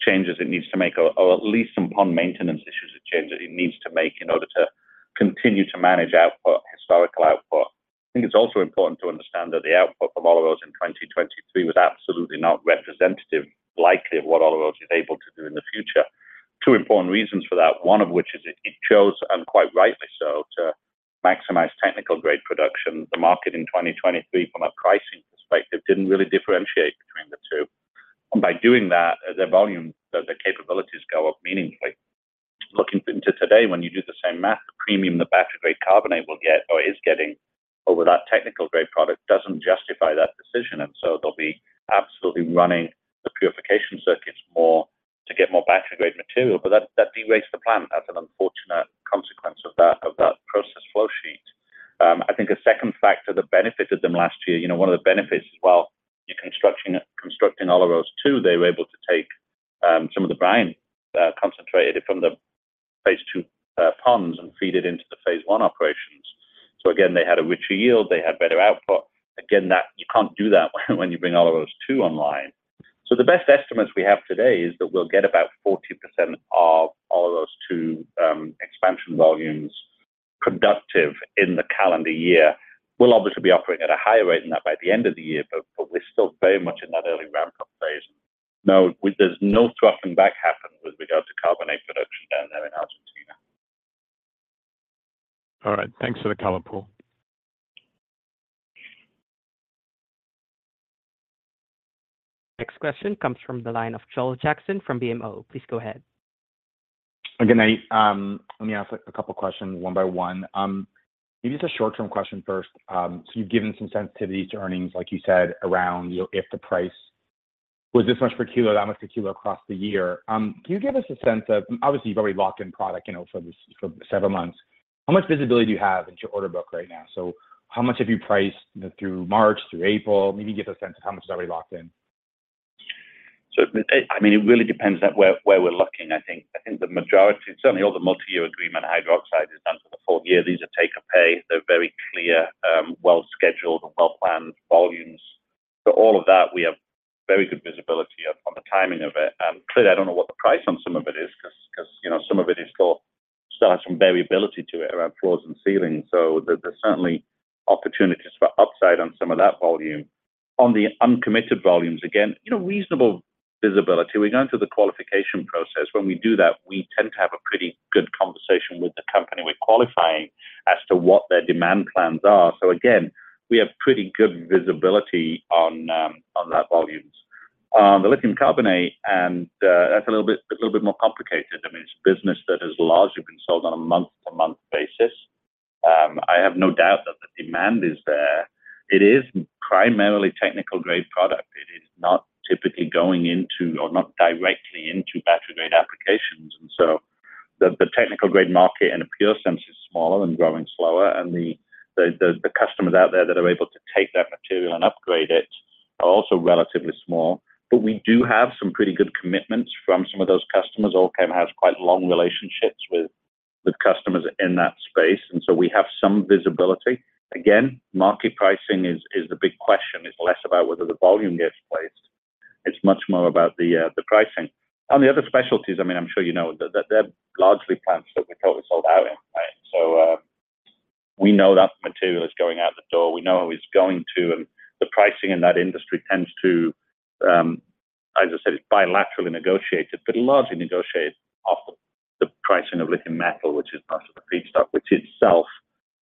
changes it needs to make, or at least some pump maintenance issues and changes it needs to make in order to continue to manage output, historical output. I think it's also important to understand that the output of Olaroz in 2023 was absolutely not representative, likely, of what Olaroz is able to do in the future. Two important reasons for that, one of which is it chose, and quite rightly so, to maximize technical-grade production. The market in 2023, from a pricing perspective, didn't really differentiate... And by doing that, their volume, their capabilities go up meaningfully. Looking into today, when you do the same math, the premium the battery-grade carbonate will get or is getting over that technical-grade product doesn't justify that decision, and so they'll be absolutely running the purification circuits more to get more battery-grade material, but that derates the plant. That's an unfortunate consequence of that process flow sheet. I think a second factor that benefited them last year, you know, one of the benefits is while deconstructing, constructing Olaroz 2, they were able to take some of the brine concentrated from the phase II ponds and feed it into the phase I operations. So again, they had a richer yield, they had better output. Again, that, you can't do that when you bring Olaroz 2 online. So the best estimates we have today is that we'll get about 40% of Olaroz 2 expansion volumes productive in the calendar year. We'll obviously be operating at a higher rate than that by the end of the year, but we're still very much in that early ramp-up phase. No, there's no throttling back happening with regard to carbonate production down there in Argentina. All right, thanks for the color, Paul. Next question comes from the line of Joel Jackson from BMO. Please go ahead. Good night. Let me ask a couple questions one by one. Maybe just a short-term question first. So you've given some sensitivity to earnings, like you said, around, you know, if the price was this much per kilo, that much per kilo across the year. Can you give us a sense of... Obviously, you've already locked in product, you know, for this, for several months. How much visibility do you have into your order book right now? So how much have you priced through March, through April? Maybe give us a sense of how much is already locked in. So, I mean, it really depends on where we're looking, I think. I think the majority, and certainly all the multi-year agreement hydroxide is done for the full-year. These are take or pay. They're very clear, well-scheduled and well-planned volumes. So all of that, we have very good visibility of on the timing of it. Clearly, I don't know what the price on some of it is because, you know, some of it is still has some variability to it around floors and ceilings. So there, there's certainly opportunities for upside on some of that volume. On the uncommitted volumes, again, you know, reasonable visibility. We're going through the qualification process. When we do that, we tend to have a pretty good conversation with the company we're qualifying as to what their demand plans are. So again, we have pretty good visibility on that volumes. The lithium carbonate and that's a little bit, a little bit more complicated. I mean, it's business that has largely been sold on a month-to-month basis. I have no doubt that the demand is there. It is primarily technical-grade product. It is not typically going into or not directly into battery-grade applications, and so the technical-grade market in a pure sense is smaller and growing slower, and the customers out there that are able to take that material and upgrade it are also relatively small. But we do have some pretty good commitments from some of those customers. Allkem has quite long relationships with customers in that space, and so we have some visibility. Again, market pricing is the big question. It's less about whether the volume gets placed. It's much more about the pricing. On the other specialties, I mean, I'm sure you know, that, they're largely plants that we totally sold out in, right? So, we know that material is going out the door. We know it's going to, and the pricing in that industry tends to, as I said, it's bilaterally negotiated, but largely negotiated off the pricing of lithium metal, which is part of the feedstock, which itself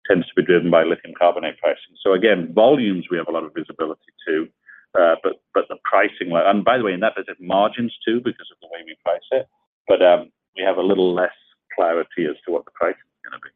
tends to be driven by lithium carbonate pricing. So again, volumes, we have a lot of visibility to, but, but the pricing—and by the way, and that is at margins, too, because of the way we price it. But, we have a little less clarity as to what the pricing is going to be.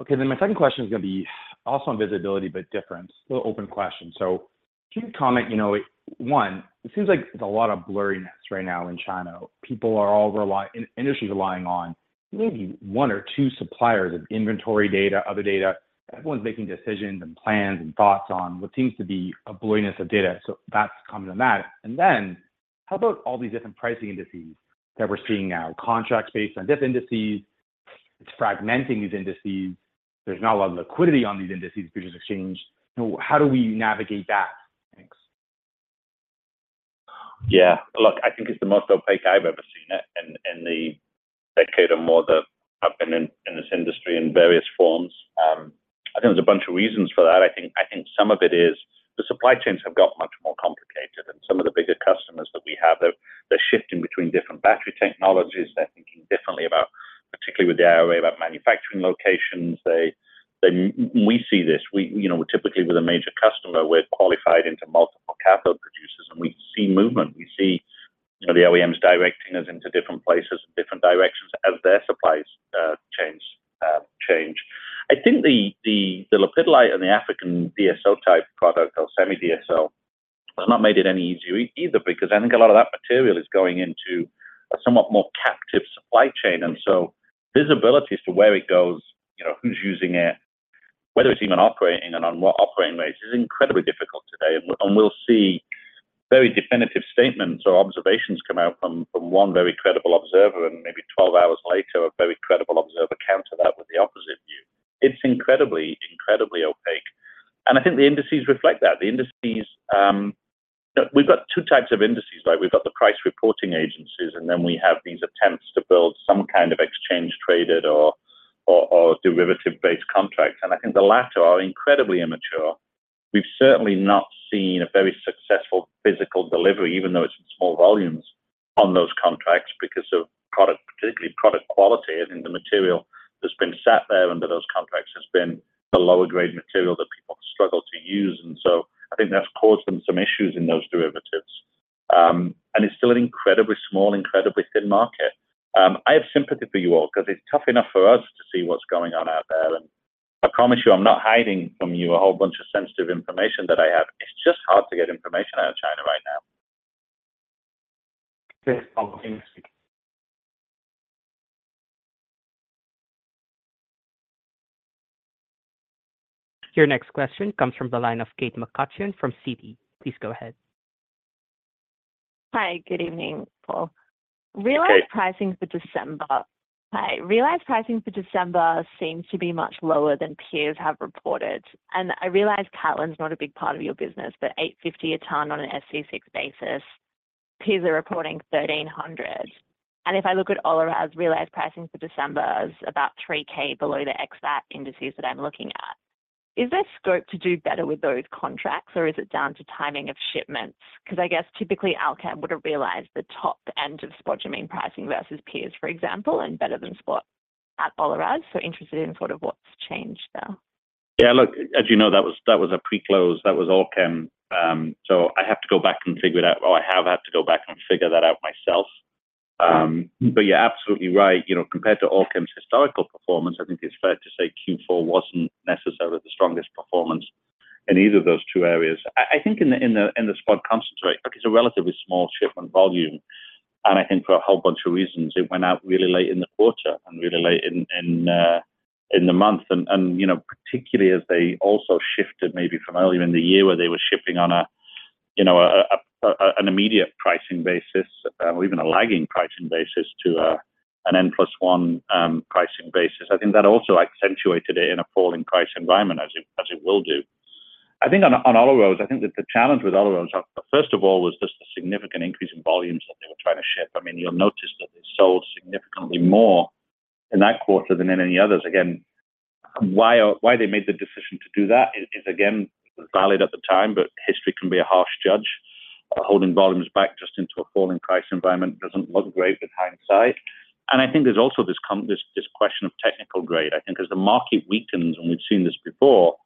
Okay, then my second question is going to be also on visibility, but different. Still open question. So can you comment, you know, one, it seems like there's a lot of blurriness right now in China. People are all in industry relying on maybe one or two suppliers of inventory data, other data. Everyone's making decisions and plans and thoughts on what seems to be a blurriness of data. So that's comment on that. And then, how about all these different pricing indices that we're seeing now, contracts based on different indices? It's fragmenting these indices. There's not a lot of liquidity on these indices, futures exchange. So how do we navigate that? Thanks. Yeah, look, I think it's the most opaque I've ever seen it in the decade or more that I've been in this industry in various forms. I think there's a bunch of reasons for that. I think some of it is the supply chains have got much more complicated, and some of the bigger customers that we have, they're shifting between different battery technologies. They're thinking differently about, particularly with the IRA, about manufacturing locations. We see this. You know, typically with a major customer, we're qualified into multiple cathode producers, and we see movement. We see, you know, the OEMs directing us into different places and different directions as their supplies change. I think the lepidolite and the African DSO-type product or semi-DSO has not made it any easier either, because I think a lot of that material is going into a somewhat more captive supply chain. And so visibility as to where it goes, you know, who's using it, whether it's even operating and on what operating rates, is incredibly difficult today. And we'll see very definitive statements or observations come out from one very credible observer, and maybe 12 hours later, a very credible observer counter that with the opposite view. It's incredibly, incredibly opaque. And I think the indices reflect that. The indices. We've got two types of indices, right? We've got the price reporting agencies, and then we have these attempts to build some kind of exchange-traded or derivative-based contracts, and I think the latter are incredibly immature. We've certainly not seen a very successful physical delivery, even though it's in small volumes on those contracts because of product, particularly product quality, and the material that's been sat there under those contracts has been the lower grade material that people struggle to use. And so I think that's caused them some issues in those derivatives. And it's still an incredibly small, incredibly thin market. I have sympathy for you all because it's tough enough for us to see what's going on out there, and I promise you, I'm not hiding from you a whole bunch of sensitive information that I have. It's just hard to get information out of China right now. Your next question comes from the line of Kate McCutcheon from Citi. Please go ahead. Hi, good evening, Paul. Hey, Kate. Realized pricing for December. Hi. Realized pricing for December seems to be much lower than peers have reported. I realize Mt Cattlin is not a big part of your business, but $850 a ton on an SC6 basis, peers are reporting $1,300. And if I look at Olaroz, realized pricing for December is about $3,000 below the ex-VAT indices that I'm looking at. Is there scope to do better with those contracts, or is it down to timing of shipments? Because I guess typically, Allkem would have realized the top end of spot spodumene pricing versus peers, for example, and better than spot at Olaroz. So interested in sort of what's changed there. Yeah, look, as you know, that was, that was a pre-close, that was Allkem. So I have to go back and figure it out. Well, I have had to go back and figure that out myself. But you're absolutely right. You know, compared to Allkem's historical performance, I think it's fair to say Q4 wasn't necessarily the strongest performance in either of those two areas. I think in the spot concentrate, it's a relatively small shipment volume, and I think for a whole bunch of reasons, it went out really late in the quarter and really late in the month. You know, particularly as they also shifted maybe from earlier in the year where they were shipping on a, you know, an immediate pricing basis or even a lagging pricing basis to an N+1 pricing basis. I think that also accentuated in a falling price environment as it will do. I think on Olaroz, I think that the challenge with Olaroz, first of all, was just a significant increase in volumes that they were trying to ship. I mean, you'll notice that they sold significantly more in that quarter than in any others. Again, why they made the decision to do that is again valid at the time, but history can be a harsh judge. Holding volumes back just into a falling price environment doesn't look great with hindsight. I think there's also this, this question of technical grade. I think as the market weakens, and we've seen this before,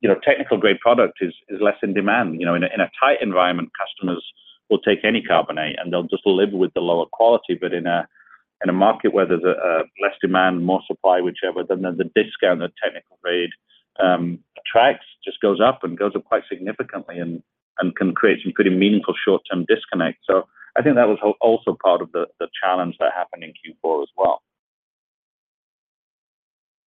you know, technical grade product is less in demand. You know, in a tight environment, customers will take any carbonate, and they'll just live with the lower quality. But in a market where there's a less demand, more supply, whichever, then the discount the technical grade attracts just goes up and goes up quite significantly and can create some pretty meaningful short-term disconnect. So I think that was also part of the challenge that happened in Q4 as well.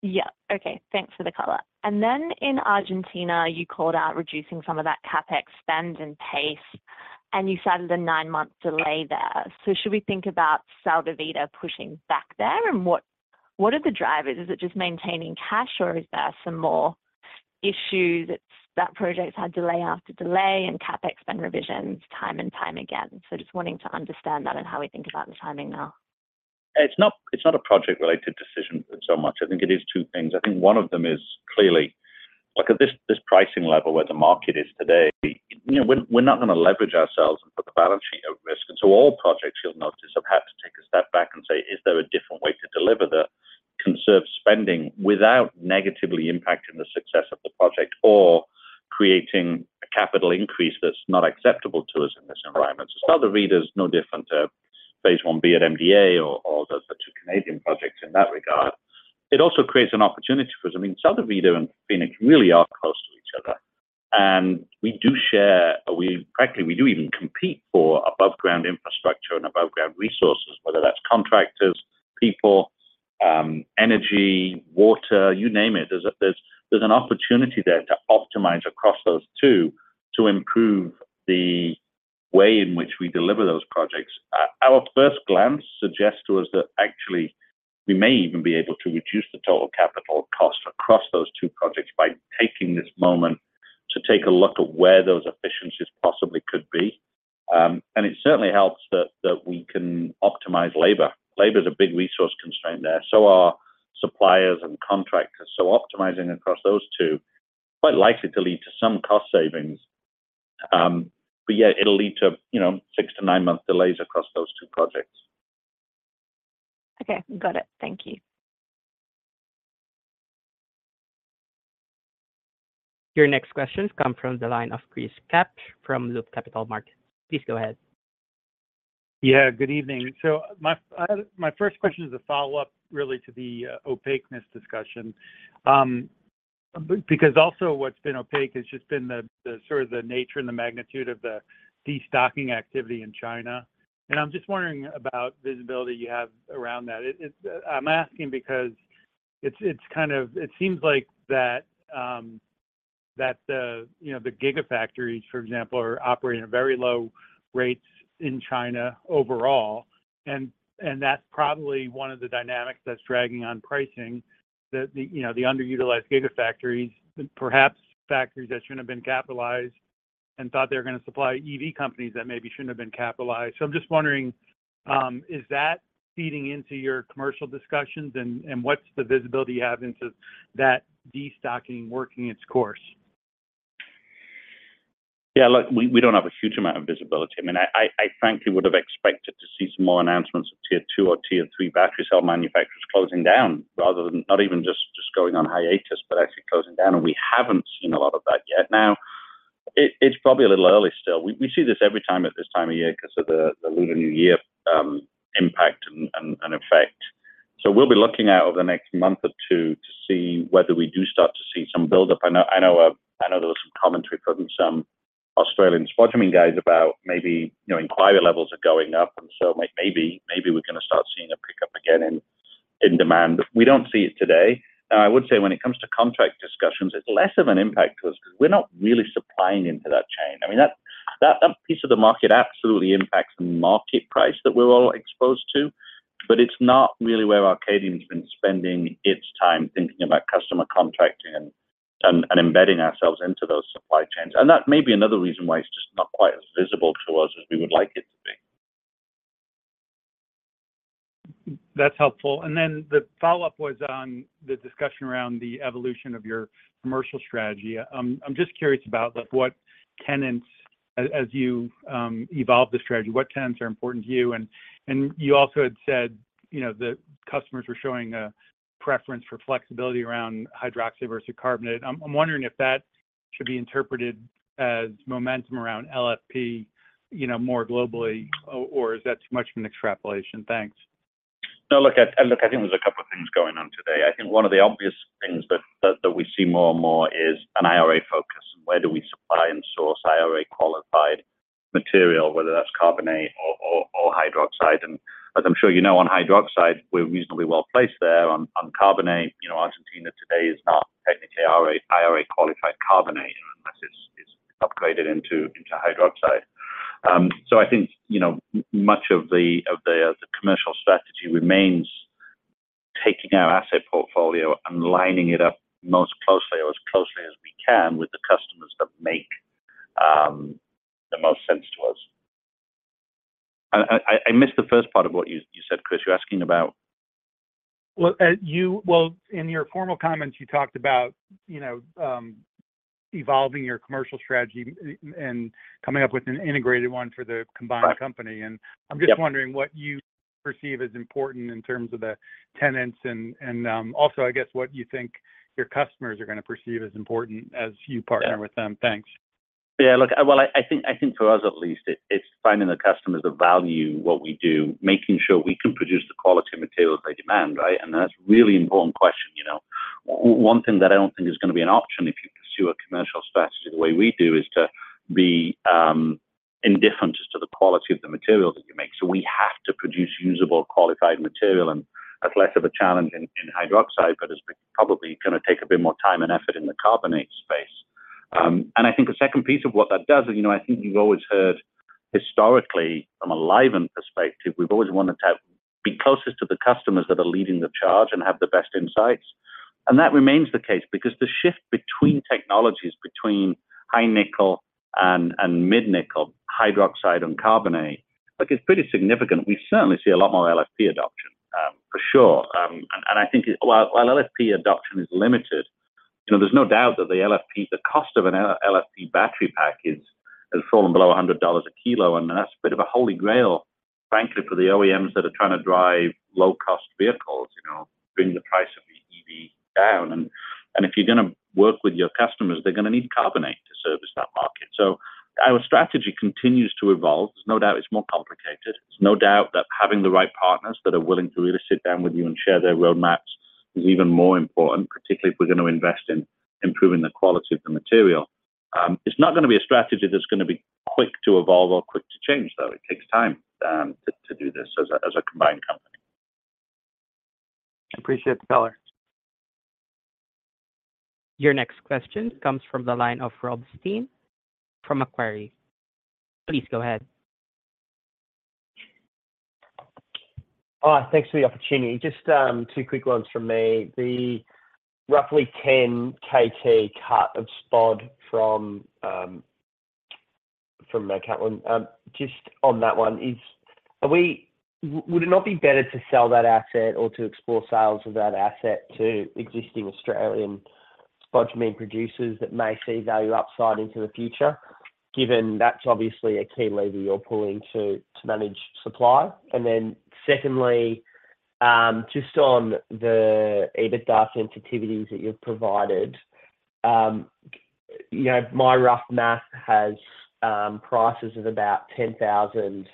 Yeah. Okay, thanks for the color. And then in Argentina, you called out reducing some of that CapEx spend and pace, and you cited a nine month delay there. So should we think about Sal de Vida pushing back there, and what, what are the drivers? Is it just maintaining cash, or is there some more issues that, that project's had delay after delay and CapEx spend revisions time and time again? So just wanting to understand that and how we think about the timing now. It's not, it's not a project-related decision so much. I think it is two things. I think one of them is clearly, like, at this, this pricing level where the market is today, you know, we're, we're not gonna leverage ourselves and put the balance sheet at risk. And so all projects you'll notice, have had to take a step back and say: Is there a different way to deliver the conserved spending without negatively impacting the success of the project or creating a capital increase that's not acceptable to us in this environment? So Sal de Vida is no different to phase I-B at Olaroz or, or the two Canadian projects in that regard. It also creates an opportunity for us. I mean, Sal de Vida and Fenix really are close to each other, and we do share, or we frankly, we do even compete for above-ground infrastructure and above-ground resources, whether that's contractors, people, energy, water, you name it. There's, there's an opportunity there to optimize across those two to improve the way in which we deliver those projects. Our first glance suggests to us that actually we may even be able to reduce the total capital cost across those two projects by taking this moment to take a look at where those efficiencies possibly could be. And it certainly helps that, that we can optimize labor. Labor is a big resource constraint there. So are suppliers and contractors, so optimizing across those two, quite likely to lead to some cost savings. But yeah, it'll lead to, you know, 6-9 month delays across those two projects. Okay, got it. Thank you. Your next question comes from the line of Chris Kapsch from Loop Capital Markets. Please go ahead. Yeah, good evening. So my first question is a follow-up, really, to the opaqueness discussion. Because also what's been opaque has just been the sort of the nature and the magnitude of the destocking activity in China. And I'm just wondering about visibility you have around that. I'm asking because it's kind of it seems like that the you know the gigafactories, for example, are operating at very low rates in China overall. And that's probably one of the dynamics that's dragging on pricing, the you know the underutilized gigafactories, perhaps factories that shouldn't have been capitalized and thought they were gonna supply EV companies that maybe shouldn't have been capitalized. So I'm just wondering, is that feeding into your commercial discussions, and what's the visibility you have into that destocking working its course? ... Yeah, look, we don't have a huge amount of visibility. I mean, I frankly would have expected to see some more announcements of Tier 2 or Tier 3 battery cell manufacturers closing down rather than not even just, just going on hiatus, but actually closing down, and we haven't seen a lot of that yet. Now, it's probably a little early still. We see this every time at this time of year because of the Lunar New Year impact and effect. So we'll be looking out over the next month or two to see whether we do start to see some buildup. I know, I know, I know there was some commentary from some Australian spodumene guys about maybe, you know, inquiry levels are going up, and so maybe we're gonna start seeing a pickup again in demand. We don't see it today. Now, I would say when it comes to contract discussions, it's less of an impact to us because we're not really supplying into that chain. I mean, that piece of the market absolutely impacts the market price that we're all exposed to, but it's not really where Arcadium's been spending its time thinking about customer contracting and embedding ourselves into those supply chains. And that may be another reason why it's just not quite as visible to us as we would like it to be. That's helpful. Then the follow-up was on the discussion around the evolution of your commercial strategy. I'm just curious about, like, what tenets, as you evolve the strategy, what tenets are important to you? And you also had said, you know, the customers were showing a preference for flexibility around hydroxide versus carbonate. I'm wondering if that should be interpreted as momentum around LFP, you know, more globally, or is that too much of an extrapolation? Thanks. No, look, I think there's a couple of things going on today. I think one of the obvious things that we see more and more is an IRA focus. Where do we supply and source IRA-qualified material, whether that's carbonate or hydroxide? And as I'm sure you know, on hydroxide, we're reasonably well placed there. On carbonate, you know, Argentina today is not technically IRA-qualified carbonate unless it's upgraded into hydroxide. So I think, you know, much of the commercial strategy remains taking our asset portfolio and lining it up most closely or as closely as we can with the customers that make the most sense to us. I missed the first part of what you said, Chris. You're asking about? Well, in your formal comments, you talked about, you know, evolving your commercial strategy and coming up with an integrated one for the combined company. Yep. I'm just wondering what you perceive as important in terms of the tenets and also, I guess, what you think your customers are gonna perceive as important as you- Yeah... partner with them. Thanks. Yeah, look, well, I think for us at least, it's finding the customers that value what we do, making sure we can produce the quality of materials they demand, right? And that's a really important question, you know. One thing that I don't think is gonna be an option if you pursue a commercial strategy the way we do, is to be indifferent as to the quality of the material that you make. So we have to produce usable, qualified material, and that's less of a challenge in hydroxide, but it's probably gonna take a bit more time and effort in the carbonate space. And I think the second piece of what that does is, you know, I think you've always heard historically from a Livent perspective, we've always wanted to have, be closest to the customers that are leading the charge and have the best insights. And that remains the case because the shift between technologies, between high nickel and mid nickel hydroxide and carbonate, like it's pretty significant. We certainly see a lot more LFP adoption, for sure. And I think while LFP adoption is limited, you know, there's no doubt that the LFP, the cost of an LFP battery pack is, has fallen below $100 a kilo, and that's a bit of a holy grail, frankly, for the OEMs that are trying to drive low-cost vehicles, you know, bring the price of the EV down. If you're gonna work with your customers, they're gonna need carbonate to service that market. So our strategy continues to evolve. There's no doubt it's more complicated. There's no doubt that having the right partners that are willing to really sit down with you and share their roadmaps is even more important, particularly if we're going to invest in improving the quality of the material. It's not gonna be a strategy that's gonna be quick to evolve or quick to change, though. It takes time to do this as a combined company. Appreciate the color. Your next question comes from the line of Rob Stein from Macquarie. Please go ahead. Thanks for the opportunity. Just two quick ones from me. The roughly 10 kt cut of spod from Mt Cattlin, just on that one, would it not be better to sell that asset or to explore sales of that asset to existing Australian spodumene producers that may see value upside into the future, given that's obviously a key lever you're pulling to manage supply? And then secondly, just on the EBITDA sensitivities that you've provided, you know, my rough math has prices of about $10,000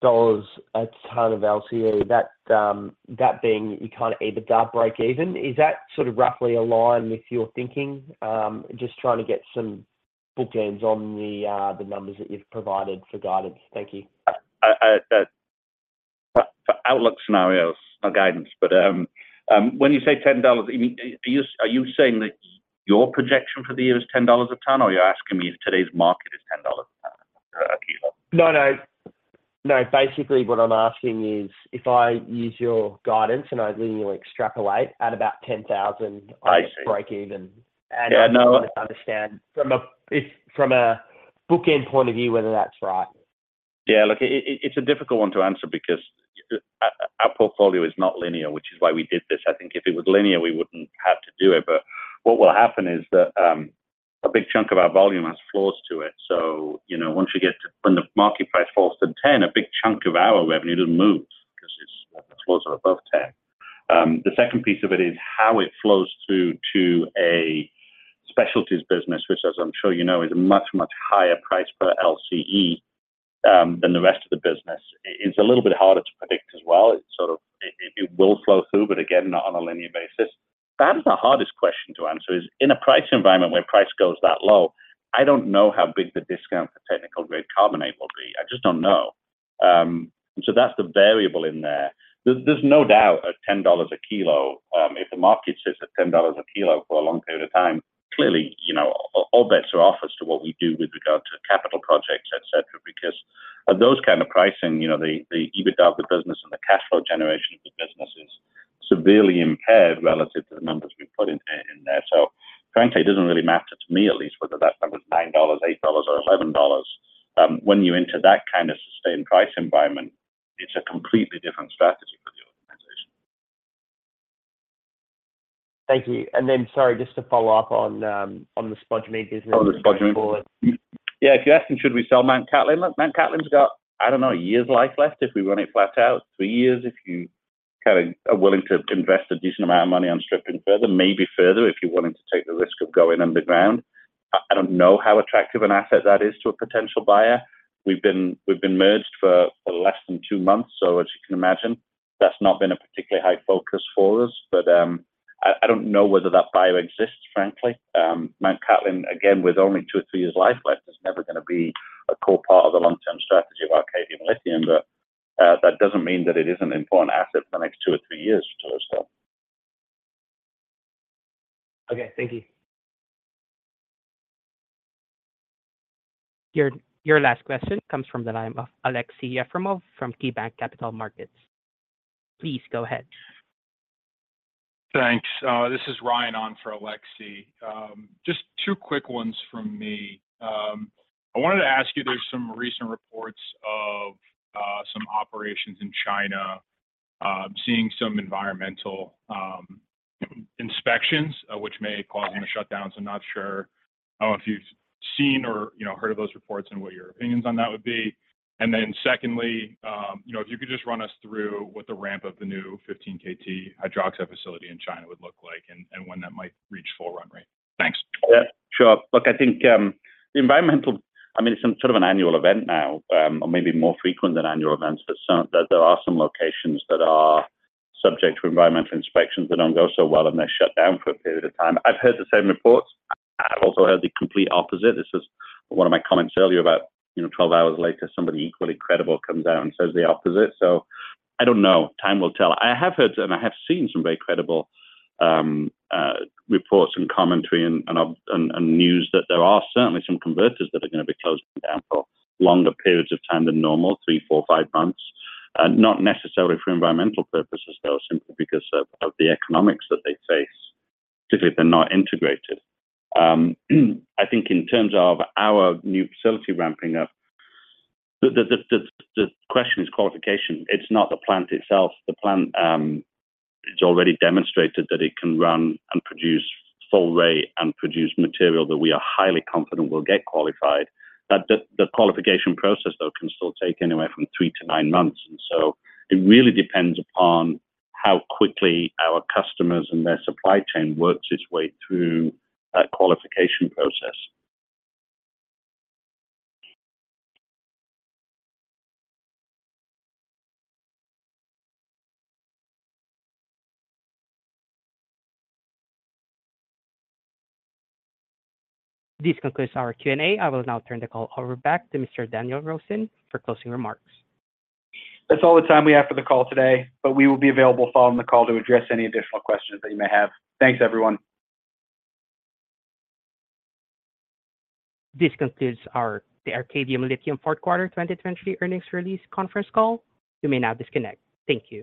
a ton of LCE. That being your kind of EBITDA break even. Is that sort of roughly aligned with your thinking? Just trying to get some bookends on the numbers that you've provided for guidance. Thank you. Outlook scenarios are guidance, but when you say $10, you mean, are you, are you saying that your projection for the year is $10 a ton, or you're asking me if today's market is $10 a ton, a kilo? No, no. No, basically, what I'm asking is, if I use your guidance and I linearly extrapolate at about 10,000- I see... I break even. Yeah, no- I want to understand from a bookend point of view whether that's right?... Yeah, look, it, it's a difficult one to answer because our portfolio is not linear, which is why we did this. I think if it was linear, we wouldn't have to do it. But what will happen is that a big chunk of our volume has floors to it. So, you know, once we get to—when the market price falls to 10, a big chunk of our revenue doesn't move 'cause the floors are above 10. The second piece of it is how it flows through to a specialties business, which, as I'm sure you know, is a much, much higher price per LCE than the rest of the business. It's a little bit harder to predict as well. It sort of, it will flow through, but again, not on a linear basis. That is the hardest question to answer, is in a price environment where price goes that low. I don't know how big the discount for technical-grade carbonate will be. I just don't know. So that's the variable in there. There's no doubt at $10 a kilo, if the market sits at $10 a kilo for a long period of time, clearly, you know, all bets are off as to what we do with regard to capital projects, et cetera. Because at those kind of pricing, you know, the EBITDA of the business and the cash flow generation of the business is severely impaired relative to the numbers we've put in there. So frankly, it doesn't really matter to me at least whether that number is $9, $8, or $11. When you enter that kind of sustained price environment, it's a completely different strategy for the organization. Thank you. Then, sorry, just to follow up on the spodumene business- On the spodumene. Yeah, if you're asking, should we sell Mt Cattlin? Mt Cattlin's got, I don't know, a year's life left if we run it flat out. Three years, if you kind of are willing to invest a decent amount of money on stripping further, maybe further, if you're willing to take the risk of going underground. I don't know how attractive an asset that is to a potential buyer. We've been merged for less than two months, so as you can imagine, that's not been a particularly high focus for us. But, I don't know whether that buyer exists, frankly. Mt Cattlin, again, with only two or three years life left, is never gonna be a core part of the long-term strategy of Arcadium Lithium, but that doesn't mean that it isn't an important asset for the next two or three years to us, though. Okay, thank you. Your last question comes from the line of Aleksey Yefremov from KeyBanc Capital Markets. Please go ahead. Thanks. This is Ryan on for Aleksey. Just two quick ones from me. I wanted to ask you, there are some recent reports of some operations in China seeing some environmental inspections which may cause them to shut down. So not sure if you've seen or, you know, heard of those reports and what your opinions on that would be. And then secondly, you know, if you could just run us through what the ramp of the new 15 kt hydroxide facility in China would look like and when that might reach full run rate. Thanks. Yeah, sure. Look, I think the environmental... I mean, it's some sort of an annual event now, or maybe more frequent than annual events, but some there are some locations that are subject to environmental inspections that don't go so well, and they're shut down for a period of time. I've heard the same reports. I've also heard the complete opposite. This is one of my comments earlier about, you know, 12 hours later, somebody equally credible comes out and says the opposite. So I don't know. Time will tell. I have heard, and I have seen some very credible reports and commentary and news that there are certainly some converters that are gonna be closing down for longer periods of time than normal, three, four, five months. Not necessarily for environmental purposes, though, simply because of the economics that they face, particularly if they're not integrated. I think in terms of our new facility ramping up, the question is qualification. It's not the plant itself. The plant, it's already demonstrated that it can run and produce full rate and produce material that we are highly confident will get qualified. That the qualification process, though, can still take anywhere from three to nine months, and so it really depends upon how quickly our customers and their supply chain works its way through that qualification process. This concludes our Q&A. I will now turn the call over back to Mr. Daniel Rosen for closing remarks. That's all the time we have for the call today, but we will be available following the call to address any additional questions that you may have. Thanks, everyone. This concludes the Arcadium Lithium fourth quarter 2023 earnings release conference call. You may now disconnect. Thank you.